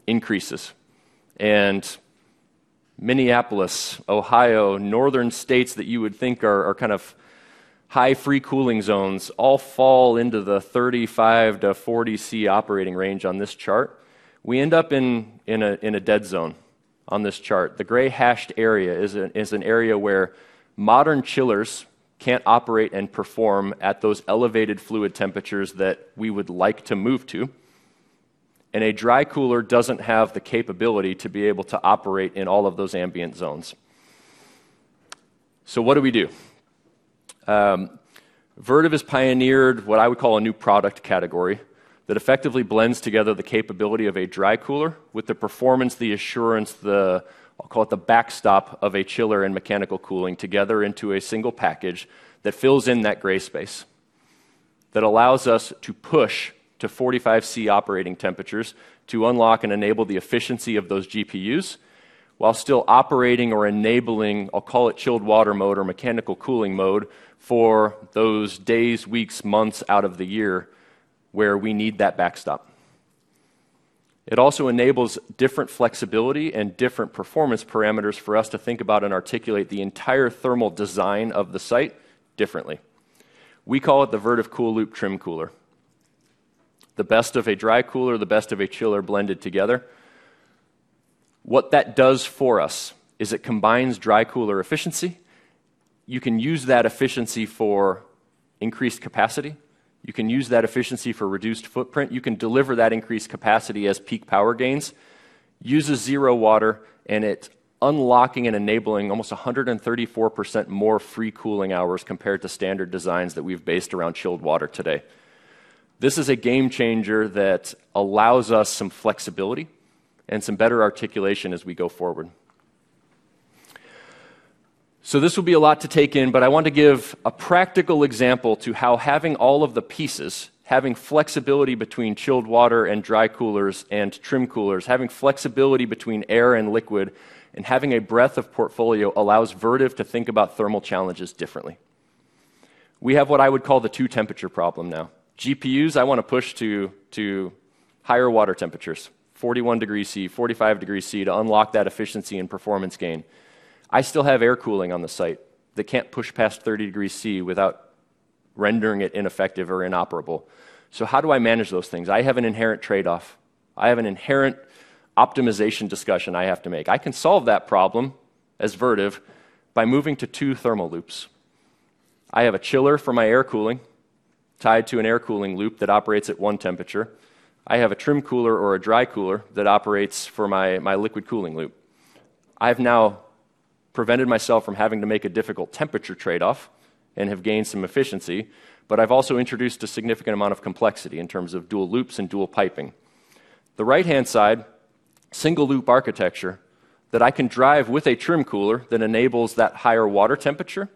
increases and Minneapolis, Ohio, northern states that you would think are kind of high free cooling zones all fall into the 35 C-40 C operating range on this chart. We end up in a dead zone on this chart. The gray hashed area is an area where modern chillers can't operate and perform at those elevated fluid temperatures that we would like to move to, and a dry cooler doesn't have the capability to be able to operate in all of those ambient zones. What do we do? Vertiv has pioneered what I would call a new product category that effectively blends together the capability of a dry cooler with the performance, the assurance, the, I'll call it the backstop of a chiller and mechanical cooling together into a single package that fills in that gray space, that allows us to push to 45 C operating temperatures to unlock and enable the efficiency of those GPUs while still operating or enabling, I'll call it chilled water mode or mechanical cooling mode, for those days, weeks, months out of the year where we need that backstop. It also enables different flexibility and different performance parameters for us to think about and articulate the entire thermal design of the site differently. We call it the Vertiv CoolLoop Trim Cooler. The best of a dry cooler, the best of a chiller blended together. What that does for us is it combines dry cooler efficiency. You can use that efficiency for increased capacity. You can use that efficiency for reduced footprint. You can deliver that increased capacity as peak power gains. Uses zero water and it is unlocking and enabling almost 134% more free cooling hours compared to standard designs that we have based around chilled water today. This is a game changer that allows us some flexibility and some better articulation as we go forward. This will be a lot to take in, but I want to give a practical example to how having all of the pieces, having flexibility between chilled water and dry coolers and trim coolers, having flexibility between air and liquid, and having a breadth of portfolio allows Vertiv to think about thermal challenges differently. We have what I would call the two-temperature problem now. GPUs, I want to push to higher water temperatures, 41 degrees C, 45 degrees C to unlock that efficiency and performance gain. I still have air cooling on the site that can't push past 30 degrees C without rendering it ineffective or inoperable. How do I manage those things? I have an inherent trade-off. I have an inherent optimization discussion I have to make. I can solve that problem as Vertiv by moving to two thermal loops. I have a chiller for my air cooling tied to an air cooling loop that operates at one temperature. I have a trim cooler or a dry cooler that operates for my liquid cooling loop. I've now prevented myself from having to make a difficult temperature trade-off and have gained some efficiency, but I've also introduced a significant amount of complexity in terms of dual loops and dual piping. The right-hand side, single loop architecture that I can drive with a trim cooler that enables that higher water temperature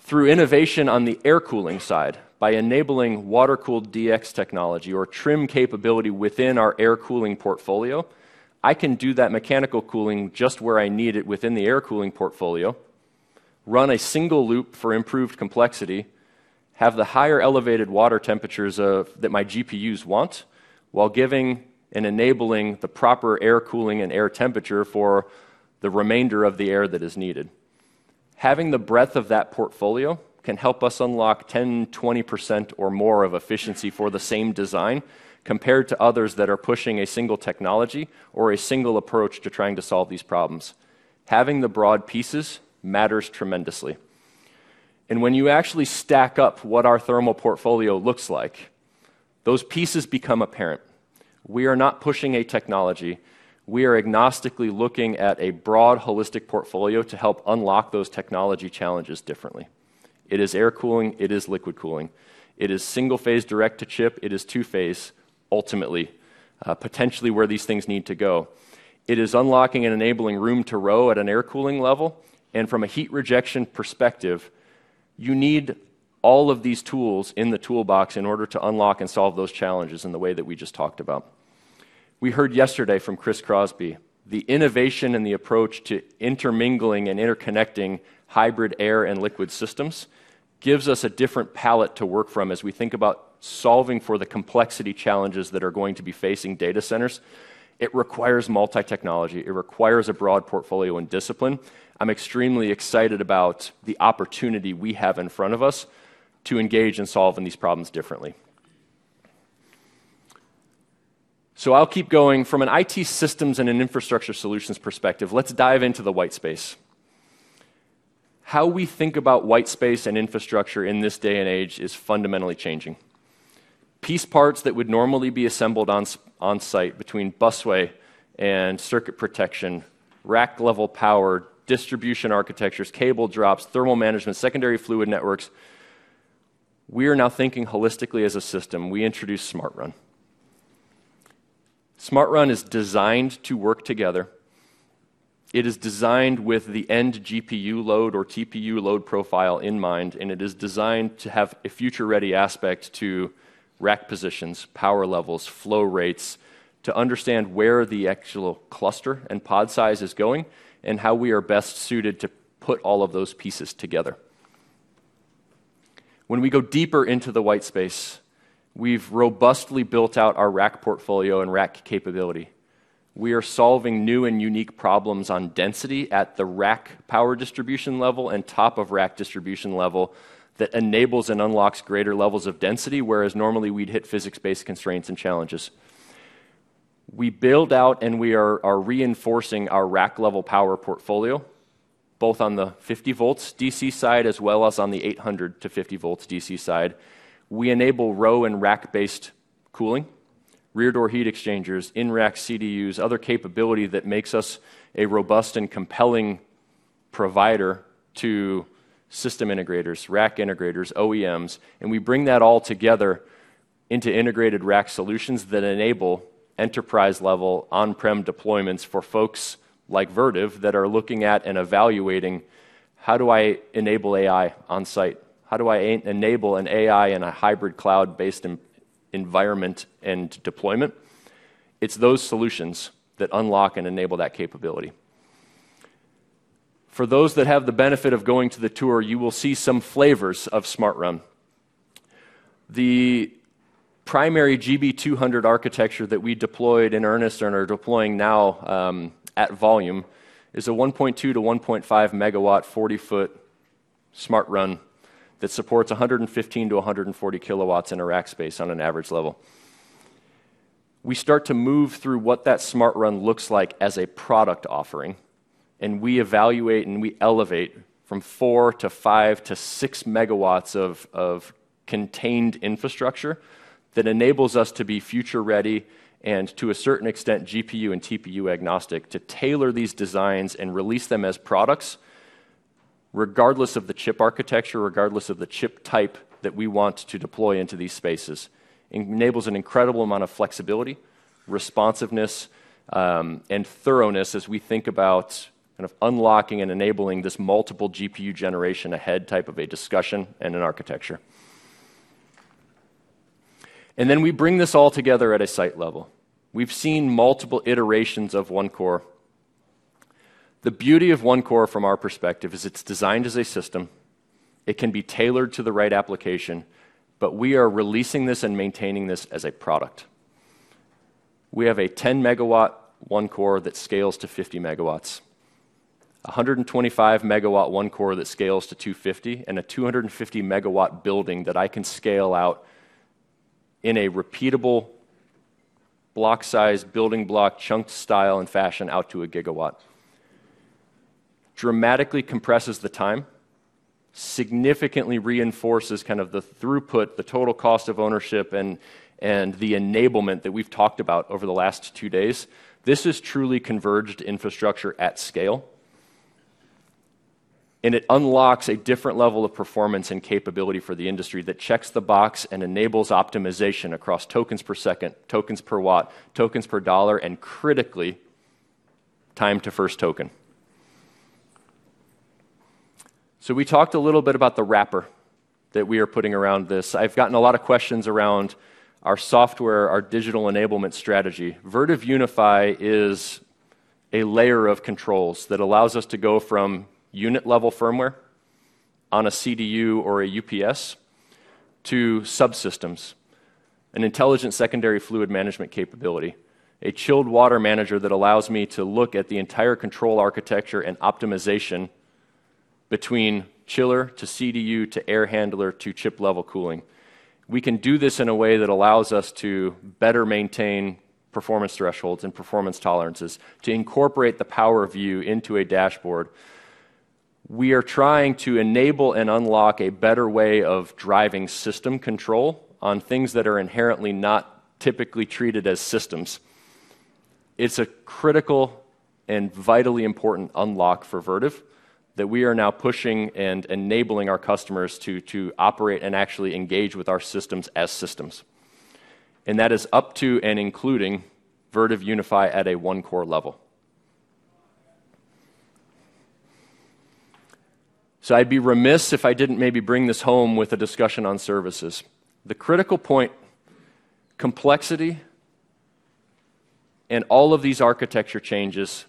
through innovation on the air cooling side by enabling water-cooled DX technology or trim capability within our air cooling portfolio. I can do that mechanical cooling just where I need it within the air cooling portfolio, run a single loop for improved complexity, have the higher elevated water temperatures that my GPUs want, while giving and enabling the proper air cooling and air temperature for the remainder of the air that is needed. Having the breadth of that portfolio can help us unlock 10%, 20%, or more of efficiency for the same design compared to others that are pushing a single technology or a single approach to trying to solve these problems. Having the broad pieces matters tremendously. When you actually stack up what our thermal portfolio looks like, those pieces become apparent. We are not pushing a technology. We are agnostically looking at a broad holistic portfolio to help unlock those technology challenges differently. It is air cooling. It is liquid cooling. It is single-phase direct to chip. It is two-phase, ultimately, potentially where these things need to go. It is unlocking and enabling room to row at an air cooling level. From a heat rejection perspective, you need all of these tools in the toolbox in order to unlock and solve those challenges in the way that we just talked about. We heard yesterday from Chris Crosby, the innovation and the approach to intermingling and interconnecting hybrid air and liquid systems gives us a different palette to work from as we think about solving for the complexity challenges that are going to be facing data centres. It requires multi-technology. It requires a broad portfolio and discipline. I'm extremely excited about the opportunity we have in front of us to engage in solving these problems differently. I'll keep going. From an IT systems and an infrastructure solutions perspective, let's dive into the white space. How we think about white space and infrastructure in this day and age is fundamentally changing. Piece parts that would normally be assembled on site between busway and circuit protection, rack level power, distribution architectures, cable drops, thermal management, secondary fluid networks. We are now thinking holistically as a system. We introduce SmartRun. SmartRun is designed to work together. It is designed with the end GPU load or TPU load profile in mind, and it is designed to have a future-ready aspect to rack positions, power levels, flow rates, to understand where the actual cluster and pod size is going, and how we are best suited to put all of those pieces together. When we go deeper into the white space, we've robustly built out our rack portfolio and rack capability. We are solving new and unique problems on density at the rack power distribution level and top of rack distribution level that enables and unlocks greater levels of density, whereas normally we'd hit physics-based constraints and challenges. We build out and we are reinforcing our rack level power portfolio, both on the 50 VDC side, as well as on the 800 VDC to 50 VDC side. We enable row and rack-based cooling, rear door heat exchangers, in-rack CDUs, other capability that makes us a robust and compelling provider to system integrators, rack integrators, OEMs, and we bring that all together into integrated rack solutions that enable enterprise-level on-prem deployments for folks like Vertiv that are looking at and evaluating, how do I enable AI on site? How do I enable an AI and a hybrid cloud-based environment and deployment? It's those solutions that unlock and enable that capability. For those that have the benefit of going to the tour, you will see some flavors of SmartRun. The primary GB200 architecture that we deployed in earnest and are deploying now at volume is a 1.2 MW-1.5 MW 40 ft SmartRun that supports 115 kW-140 kW in a rack space on an average level. We start to move through what that SmartRun looks like as a product offering, and we evaluate and we elevate from 4 MW to 5MW to 6 MW of contained infrastructure that enables us to be future-ready and, to a certain extent, GPU and TPU agnostic to tailor these designs and release them as products regardless of the chip architecture, regardless of the chip type that we want to deploy into these spaces. Enables an incredible amount of flexibility, responsiveness and thoroughness as we think about unlocking and enabling this multiple GPU generation ahead type of a discussion and an architecture. We bring this all together at a site level. We've seen multiple iterations of OneCore. The beauty of OneCore from our perspective is it's designed as a system. It can be tailored to the right application, we are releasing this and maintaining this as a product. We have a 10 MW OneCore that scales to 50 MW, 125 MW OneCore that scales to 250 MW, and a 250 MW building that I can scale out in a repeatable block size, building block, chunked style and fashion out to 1 GW. Dramatically compresses the time, significantly reinforces the throughput, the total cost of ownership and the enablement that we've talked about over the last two days. This is truly converged infrastructure at scale. It unlocks a different level of performance and capability for the industry that checks the box and enables optimization across tokens per second, tokens per watt, tokens per dollar, and critically, time to first token. We talked a little bit about the wrapper that we are putting around this. I've gotten a lot of questions around our software, our digital enablement strategy. Vertiv Unify is a layer of controls that allows us to go from unit-level firmware on a CDU or a UPS to subsystems, an intelligent secondary fluid management capability, a chilled water manager that allows me to look at the entire control architecture and optimization between chiller to CDU to air handler to chip-level cooling. We can do this in a way that allows us to better maintain performance thresholds and performance tolerances to incorporate the power view into a dashboard. We are trying to enable and unlock a better way of driving system control on things that are inherently not typically treated as systems. It's a critical and vitally important unlock for Vertiv that we are now pushing and enabling our customers to operate and actually engage with our systems as systems. That is up to and including Vertiv Unify at a OneCore level. I'd be remiss if I didn't maybe bring this home with a discussion on services. The critical point, complexity, and all of these architecture changes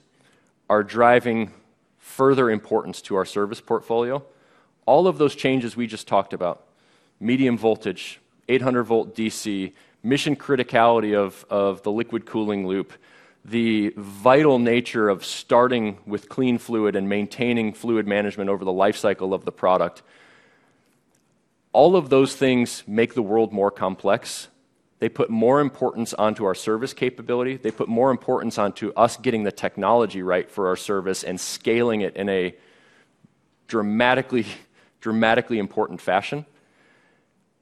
are driving further importance to our service portfolio. All of those changes we just talked about, medium voltage, 800 VDC, mission criticality of the liquid cooling loop, the vital nature of starting with clean fluid and maintaining fluid management over the life cycle of the product, all of those things make the world more complex. They put more importance onto our service capability. They put more importance onto us getting the technology right for our service and scaling it in a dramatically important fashion.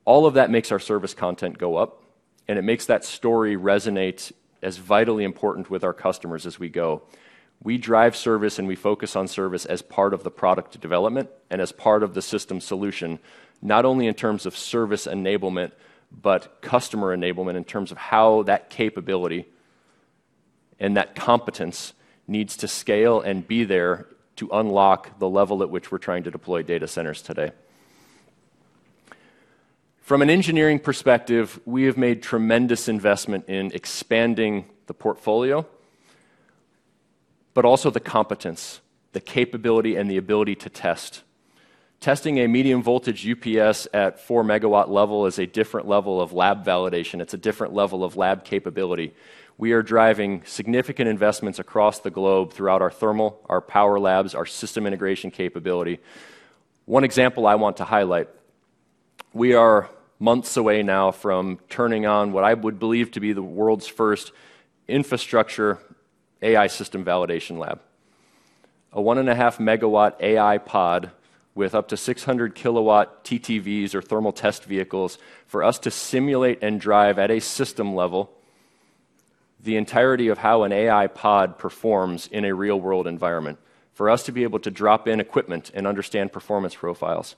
All of that makes our service content go up, and it makes that story resonate as vitally important with our customers as we go. We drive service, and we focus on service as part of the product development and as part of the system solution, not only in terms of service enablement but customer enablement in terms of how that capability and that competence needs to scale and be there to unlock the level at which we're trying to deploy data centres today. From an engineering perspective, we have made tremendous investment in expanding the portfolio, but also the competence, the capability, and the ability to test. Testing a medium voltage UPS at 4 MW level is a different level of lab validation. It's a different level of lab capability. We are driving significant investments across the globe throughout our thermal, our power labs, our system integration capability. One example I want to highlight, we are months away now from turning on what I would believe to be the world's first infrastructure AI system validation lab. A 1.5 MW AI pod with up to 600 kW TTVs or Thermal Test Vehicles for us to simulate and drive at a system level the entirety of how an AI pod performs in a real-world environment. For us to be able to drop in equipment and understand performance profiles.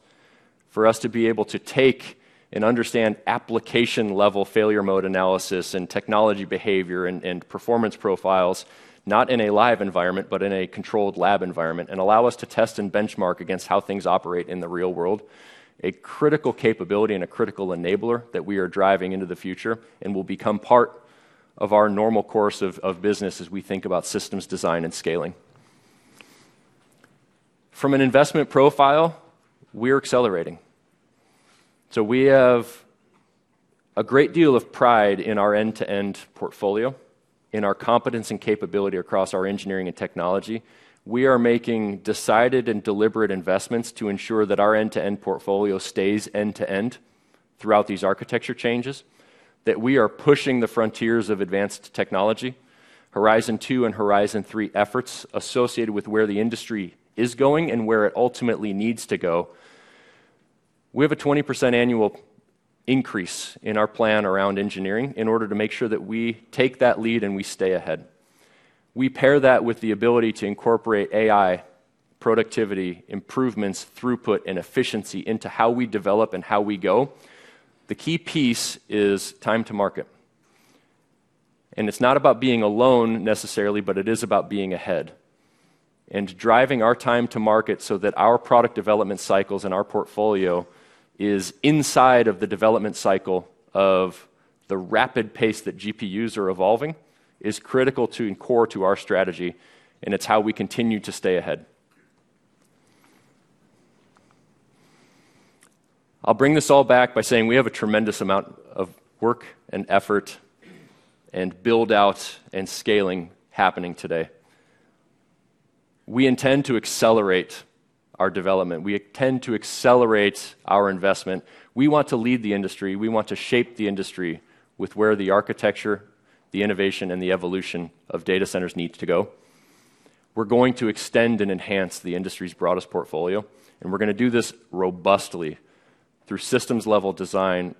For us to be able to take and understand application-level failure mode analysis and technology behavior and performance profiles, not in a live environment, but in a controlled lab environment, and allow us to test and benchmark against how things operate in the real world, a critical capability and a critical enabler that we are driving into the future and will become part of our normal course of business as we think about systems design and scaling. From an investment profile, we're accelerating. We have a great deal of pride in our end-to-end portfolio, in our competence and capability across our engineering and technology. We are making decided and deliberate investments to ensure that our end-to-end portfolio stays end to end throughout these architecture changes, that we are pushing the frontiers of advanced technology, horizon two and horizon three efforts associated with where the industry is going and where it ultimately needs to go. We have a 20% annual increase in our plan around engineering in order to make sure that we take that lead and we stay ahead. We pair that with the ability to incorporate AI, productivity, improvements, throughput, and efficiency into how we develop and how we go. The key piece is time to market. It's not about being alone necessarily, but it is about being ahead and driving our time to market so that our product development cycles and our portfolio is inside of the development cycle of the rapid pace that GPUs are evolving is critical to and core to our strategy, and it's how we continue to stay ahead. I'll bring this all back by saying we have a tremendous amount of work and effort and build-out and scaling happening today. We intend to accelerate our development. We intend to accelerate our investment. We want to lead the industry. We want to shape the industry with where the architecture, the innovation, and the evolution of data centres need to go. We're going to extend and enhance the industry's broadest portfolio, and we're going to do this robustly through systems-level design,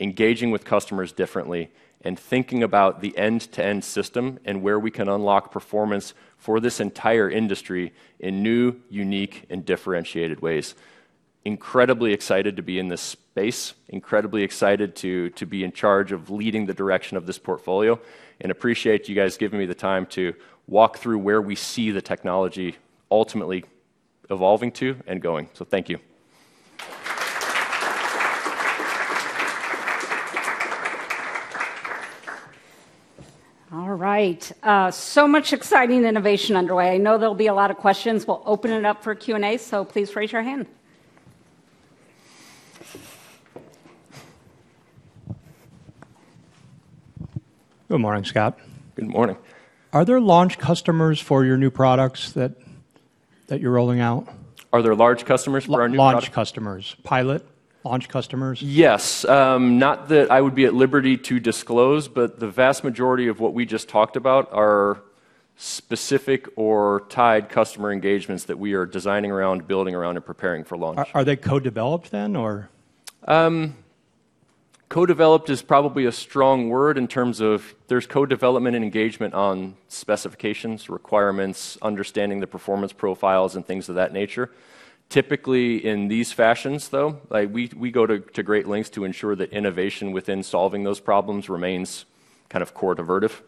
engaging with customers differently, and thinking about the end-to-end system and where we can unlock performance for this entire industry in new, unique, and differentiated ways. Incredibly excited to be in this space, incredibly excited to be in charge of leading the direction of this portfolio, and appreciate you guys giving me the time to walk through where we see the technology ultimately evolving to and going. Thank you.
All right. So much exciting innovation underway. I know there'll be a lot of questions. We'll open it up for Q&A, so please raise your hand.
Good morning, Scott. Good morning. Are there launch customers for your new products that you're rolling out?
Are there launch customers or?
Pilot, launch customers.
Yes. Not that I would be at liberty to disclose, but the vast majority of what we just talked about are specific or tied customer engagements that we are designing around, building around, and preparing for launch.
Are they co-developed then, or?
Co-developed is probably a strong word in terms of there's co-development and engagement on specifications, requirements, understanding the performance profiles, and things of that nature. Typically, in these fashions, though, we go to great lengths to ensure that innovation within solving those problems remains core to Vertiv.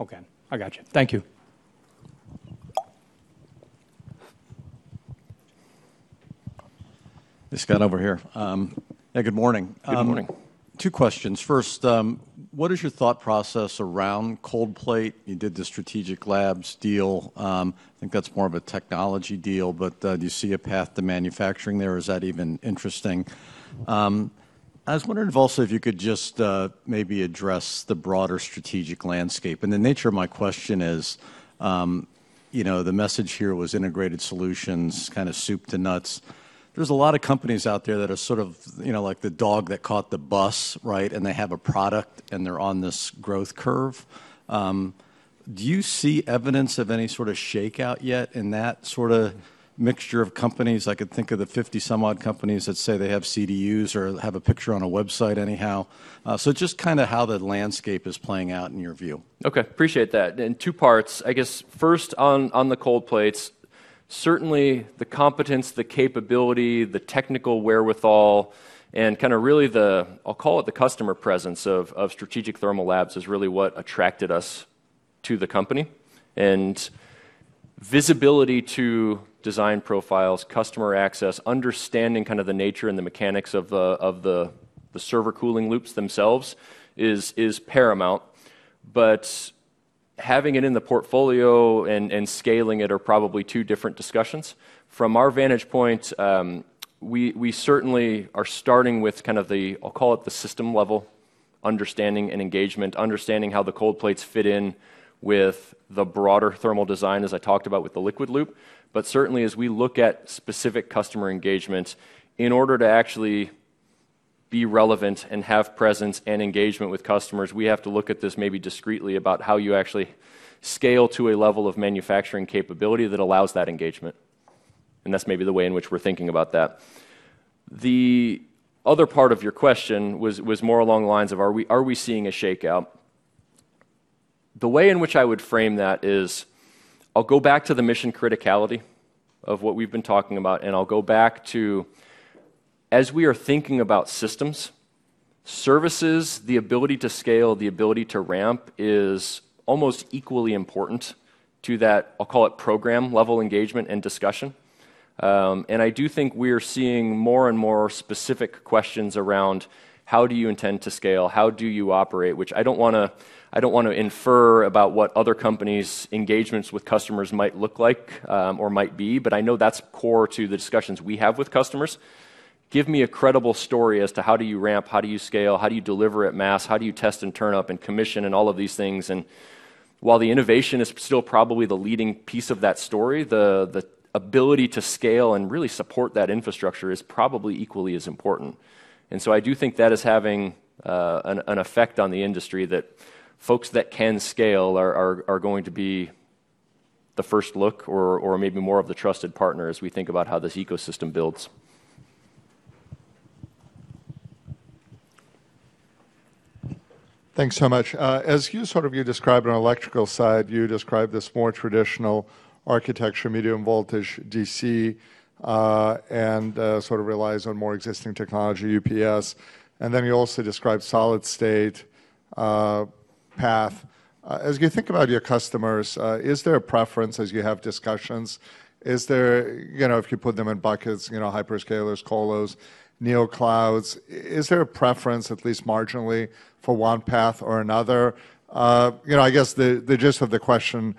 Okay, I gotcha. Thank you.
This guy over here. Hey, good morning.
Good morning.
Two questions. First, what is your thought process around cold plate? You did the Strategic Labs deal. I think that's more of a technology deal, but do you see a path to manufacturing there? Is that even interesting? I was wondering if also if you could just maybe address the broader strategic landscape. The nature of my question is, the message here was integrated solutions, kind of soup to nuts. There's a lot of companies out there that are sort of like the dog that caught the bus, right? They have a product, and they're on this growth curve. Do you see evidence of any sort of shakeout yet in that sort of mixture of companies? I could think of the 50 some odd companies that say they have CDUs or have a picture on a website anyhow. Just how the landscape is playing out in your view?
Okay. Appreciate that. In two parts, I guess first on the cold plates, certainly the competence, the capability, the technical wherewithal, and really the, I'll call it the customer presence of Strategic Thermal Labs is really what attracted us to the company, and visibility to design profiles, customer access, understanding the nature and the mechanics of the server cooling loops themselves is paramount. Having it in the portfolio and scaling it are probably two different discussions. From our vantage point, we certainly are starting with the, I'll call it the system level understanding and engagement, understanding how the cold plates fit in with the broader thermal design, as I talked about with the liquid loop. Certainly, as we look at specific customer engagements, in order to actually be relevant and have presence and engagement with customers, we have to look at this maybe discreetly about how you actually scale to a level of manufacturing capability that allows that engagement. That's maybe the way in which we're thinking about that. The other part of your question was more along the lines of are we seeing a shakeout? The way in which I would frame that is, I'll go back to the mission criticality of what we've been talking about, and I'll go back to as we are thinking about systems, services, the ability to scale, the ability to ramp is almost equally important to that, I'll call it program level engagement and discussion. I do think we are seeing more and more specific questions around how do you intend to scale, how do you operate, which I don't want to infer about what other companies' engagements with customers might look like or might be, but I know that's core to the discussions we have with customers. Give me a credible story as to how do you ramp, how do you scale, how do you deliver at mass, how do you test and turn up and commission and all of these things? While the innovation is still probably the leading piece of that story, the ability to scale and really support that infrastructure is probably equally as important. I do think that is having an effect on the industry that folks that can scale are going to be the first look or maybe more of the trusted partner as we think about how this ecosystem builds.
Thanks so much. As you described on the electrical side, you described this more traditional architecture, medium voltage DC, and relies on more existing technology, UPS, and then you also described solid state path. As you think about your customers, is there a preference as you have discussions? If you put them in buckets, hyperscalers, colos, neo clouds, is there a preference, at least marginally, for one path or another? I guess the gist of the question,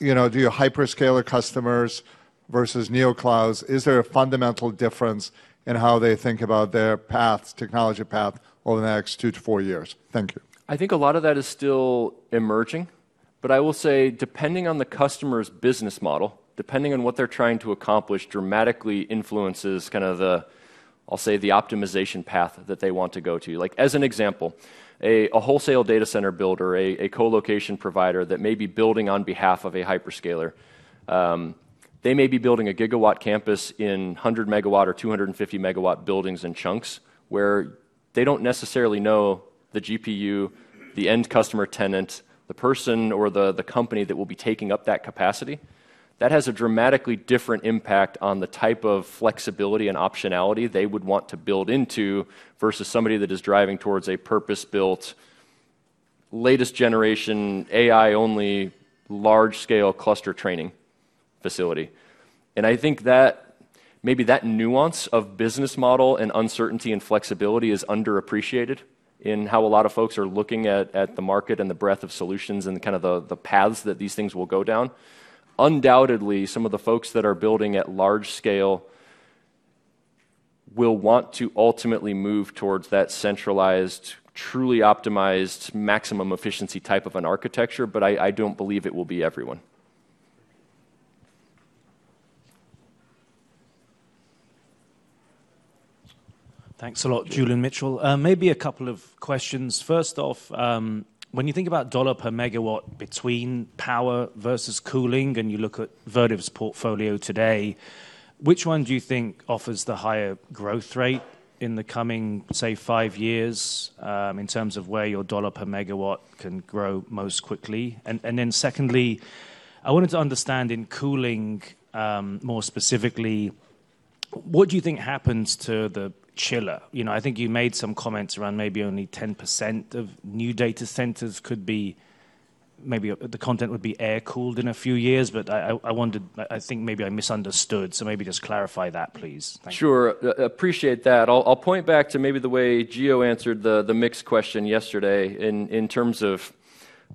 do your hyperscaler customers versus neo clouds, is there a fundamental difference in how they think about their paths, technology path over the next two to four years? Thank you.
I think a lot of that is still emerging. I will say depending on the customer's business model, depending on what they're trying to accomplish, dramatically influences the, I'll say the optimization path that they want to go to. Like as an example, a wholesale data centre builder, a co-location provider that may be building on behalf of a hyperscaler. They may be building a gigawatt campus in 100 MW or 250 MW buildings in chunks where They don't necessarily know the GPU, the end customer tenant, the person or the company that will be taking up that capacity. That has a dramatically different impact on the type of flexibility and optionality they would want to build into versus somebody that is driving towards a purpose-built, latest generation, AI only, large scale cluster training facility. I think maybe that nuance of business model and uncertainty and flexibility is underappreciated in how a lot of folks are looking at the market and the breadth of solutions and the kind of the paths that these things will go down. Undoubtedly, some of the folks that are building at large scale will want to ultimately move towards that centralized, truly optimized, maximum efficiency type of an architecture, but I don't believe it will be everyone.
Thanks a lot, Julian Mitchell. Maybe a couple questions. First off, when you think about dollar per megawatt between power versus cooling, and you look at Vertiv's portfolio today, which one do you think offers the higher growth rate in the coming, say, five years, in terms of where your dollar per megawatt can grow most quickly? Secondly, I wanted to understand in cooling, more specifically, what do you think happens to the chiller? I think you made some comments around maybe only 10% of new data centres could be maybe the content would be air-cooled in a few years, but I think maybe I misunderstood, so maybe just clarify that, please. Thank you.
Sure. Appreciate that. I'll point back to maybe the way Gio answered the mix question yesterday in terms of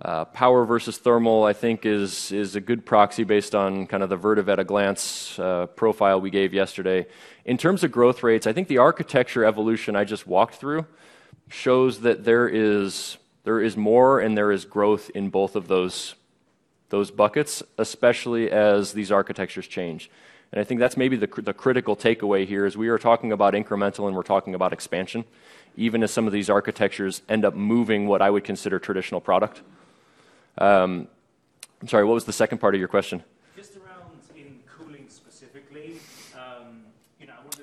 power versus thermal, I think is a good proxy based on kind of the Vertiv at a glance profile we gave yesterday. In terms of growth rates, I think the architecture evolution I just walked through shows that there is more and there is growth in both of those buckets, especially as these architectures change. I think that's maybe the critical takeaway here is we are talking about incremental and we're talking about expansion, even as some of these architectures end up moving what I would consider traditional product. I'm sorry, what was the second part of your question?
Just around in cooling specifically.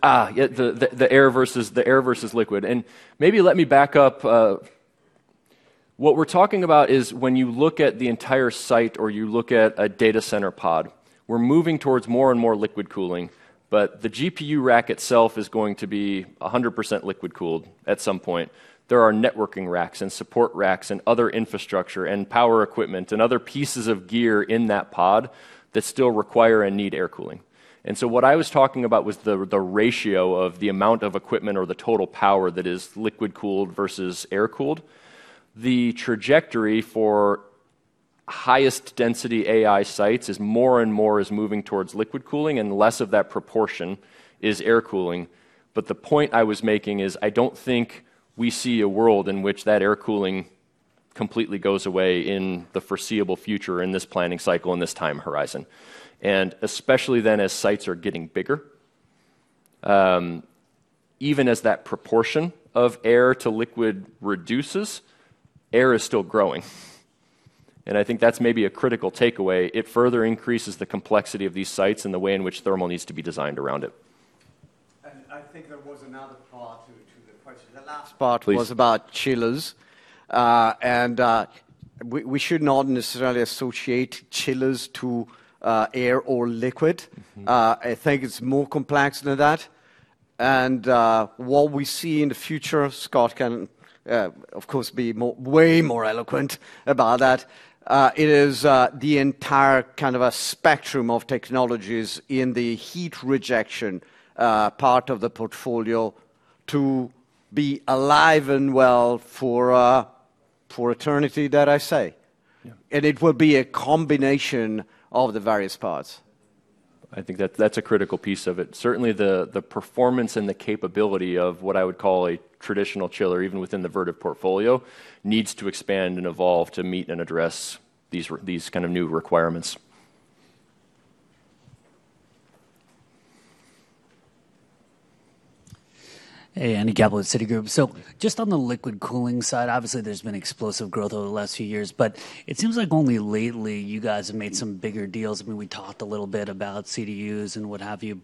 The air versus liquid. Maybe let me back up. What we're talking about is when you look at the entire site or you look at a data centre pod, we're moving towards more and more liquid cooling, but the GPU rack itself is going to be 100% liquid-cooled at some point. There are networking racks and support racks and other infrastructure and power equipment and other pieces of gear in that pod that still require and need air cooling. What I was talking about was the ratio of the amount of equipment or the total power that is liquid-cooled versus air-cooled. The trajectory for highest density AI sites is more and more is moving towards liquid cooling and less of that proportion is air cooling. The point I was making is I don't think we see a world in which that air cooling completely goes away in the foreseeable future in this planning cycle and this time horizon. Especially then as sites are getting bigger, even as that proportion of air to liquid reduces, air is still growing. I think that's maybe a critical takeaway. It further increases the complexity of these sites and the way in which thermal needs to be designed around it.
I think there was another part to the question. The last part was about chillers. We should not necessarily associate chillers to air or liquid. I think it's more complex than that. What we see in the future, Scott can, of course, be way more eloquent about that. It is the entire kind of a spectrum of technologies in the heat rejection part of the portfolio to be alive and well for eternity, dare I say.
Yeah.
It will be a combination of the various parts.
I think that's a critical piece of it. Certainly, the performance and the capability of what I would call a traditional chiller, even within the Vertiv portfolio, needs to expand and evolve to meet and address these kind of new requirements.
Hey, Andy Kaplowitz at Citigroup. Just on the liquid cooling side, obviously, there's been explosive growth over the last few years, but it seems like only lately you guys have made some bigger deals. We talked a little bit about CDUs and what have you,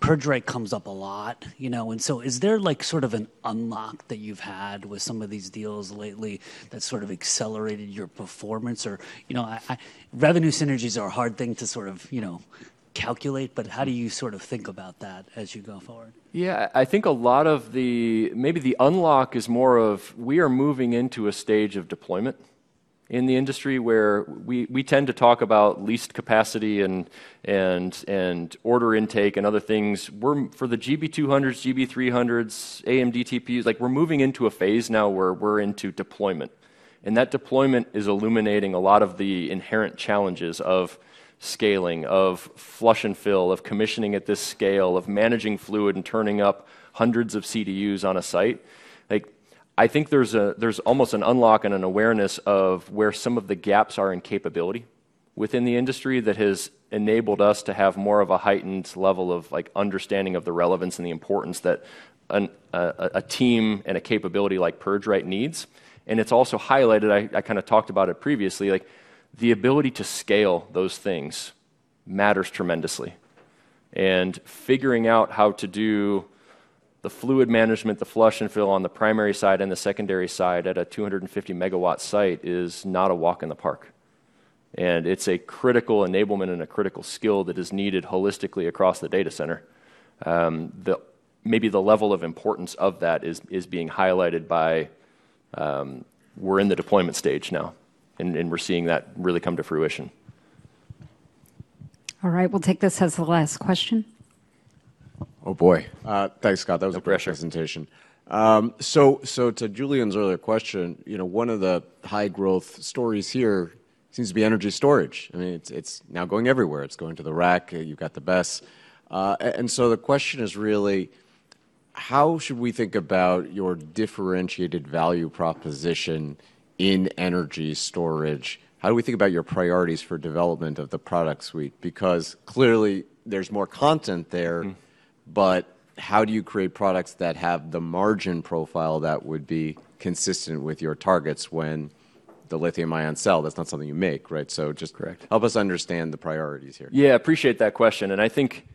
PurgeRite comes up a lot. Is there like sort of an unlock that you've had with some of these deals lately that sort of accelerated your performance? Revenue synergies are a hard thing to sort of calculate, how do you sort of think about that as you go forward?
Yeah, I think maybe the unlock is more of we are moving into a stage of deployment in the industry where we tend to talk about leased capacity and order intake and other things. For the GB200s, GB300s, AMD TPUs, like we're moving into a phase now where we're into deployment. That deployment is illuminating a lot of the inherent challenges of scaling, of flush and fill, of commissioning at this scale, of managing fluid and turning up hundreds of CDUs on a site. I think there's almost an unlock and an awareness of where some of the gaps are in capability within the industry that has enabled us to have more of a heightened level of like understanding of the relevance and the importance that a team and a capability like PurgeRite needs. It's also highlighted, I kind of talked about it previously, like the ability to scale those things matters tremendously. Figuring out how to do the fluid management, the flush and fill on the primary side and the secondary side at a 250 MW site is not a walk in the park. It's a critical enablement and a critical skill that is needed holistically across the data centre. Maybe the level of importance of that is being highlighted by, we're in the deployment stage now, and we're seeing that really come to fruition.
All right. We'll take this as the last question.
Oh, boy. Thanks, Scott. That was a great presentation.
No pressure.
To Julian's earlier question, one of the high growth stories here seems to be energy storage. It's now going everywhere. It's going to the rack, you've got the BESS. The question is really, how should we think about your differentiated value proposition in energy storage? How do we think about your priorities for development of the product suite? Clearly there's more content there. How do you create products that have the margin profile that would be consistent with your targets when the Lithium-ion cell, that's not something you make, right?
Correct
Help us understand the priorities here.
Yeah, appreciate that question. I think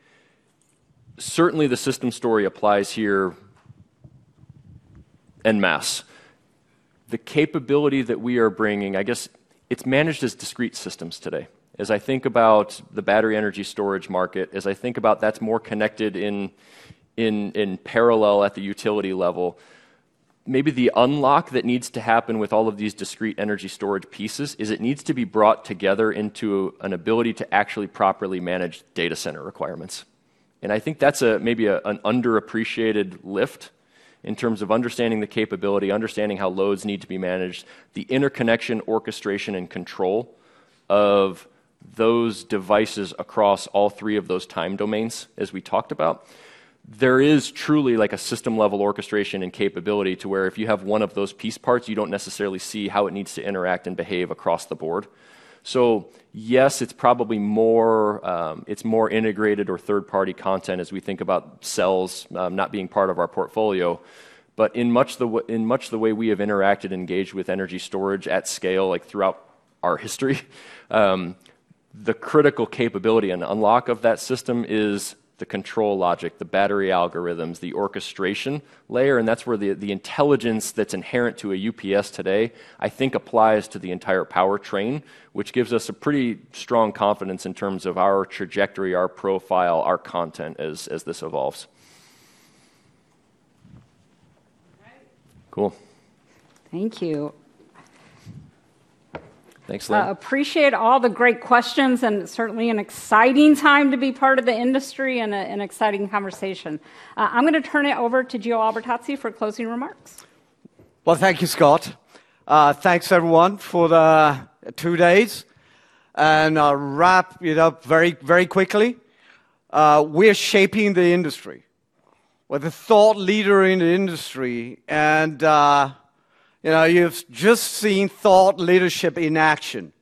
certainly the system story applies here en masse. The capability that we are bringing, I guess it's managed as discrete systems today. As I think about the Battery Energy Storage market, as I think about that's more connected in parallel at the utility level, maybe the unlock that needs to happen with all of these discrete energy storage pieces is it needs to be brought together into an ability to actually properly manage data centre requirements. I think that's maybe an underappreciated lift in terms of understanding the capability, understanding how loads need to be managed, the interconnection, orchestration, and control of those devices across all three of those time domains, as we talked about. There is truly a system-level orchestration and capability to where if you have one of those piece parts, you don't necessarily see how it needs to interact and behave across the board. Yes, it's more integrated or third-party content as we think about cells not being part of our portfolio, but in much the way we have interacted and engaged with energy storage at scale, throughout our history, the critical capability and unlock of that system is the control logic, the battery algorithms, the orchestration layer. That's where the intelligence that's inherent to a UPS today, I think applies to the entire powertrain, which gives us a pretty strong confidence in terms of our trajectory, our profile, our content as this evolves.
All right.
Cool.
Thank you.
Thanks, Lynne.
Appreciate all the great questions. It's certainly an exciting time to be part of the industry and an exciting conversation. I'm going to turn it over to Gio Albertazzi for closing remarks.
Well, thank you, Scott. Thanks everyone for the two days, and I'll wrap it up very quickly. We're shaping the industry. We're the thought leader in the industry, and you've just seen thought leadership in action.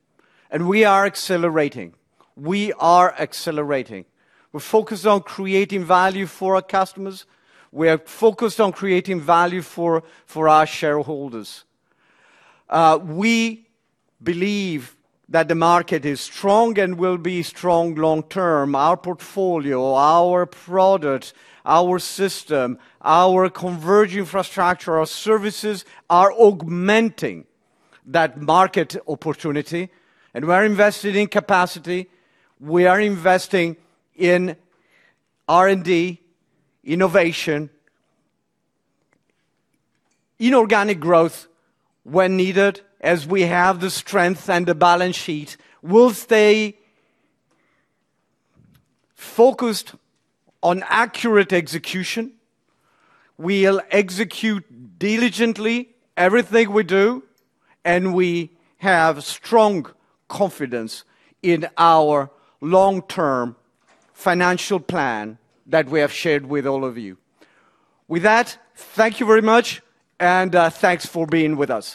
We are accelerating. We are accelerating. We're focused on creating value for our customers. We are focused on creating value for our shareholders. We believe that the market is strong and will be strong long term. Our portfolio, our product, our system, our converged infrastructure, our services are augmenting that market opportunity, and we're invested in capacity. We are investing in R&D, innovation, inorganic growth when needed. As we have the strength and the balance sheet, we'll stay focused on accurate execution. We'll execute diligently everything we do, and we have strong confidence in our long-term financial plan that we have shared with all of you. With that, thank you very much, and thanks for being with us.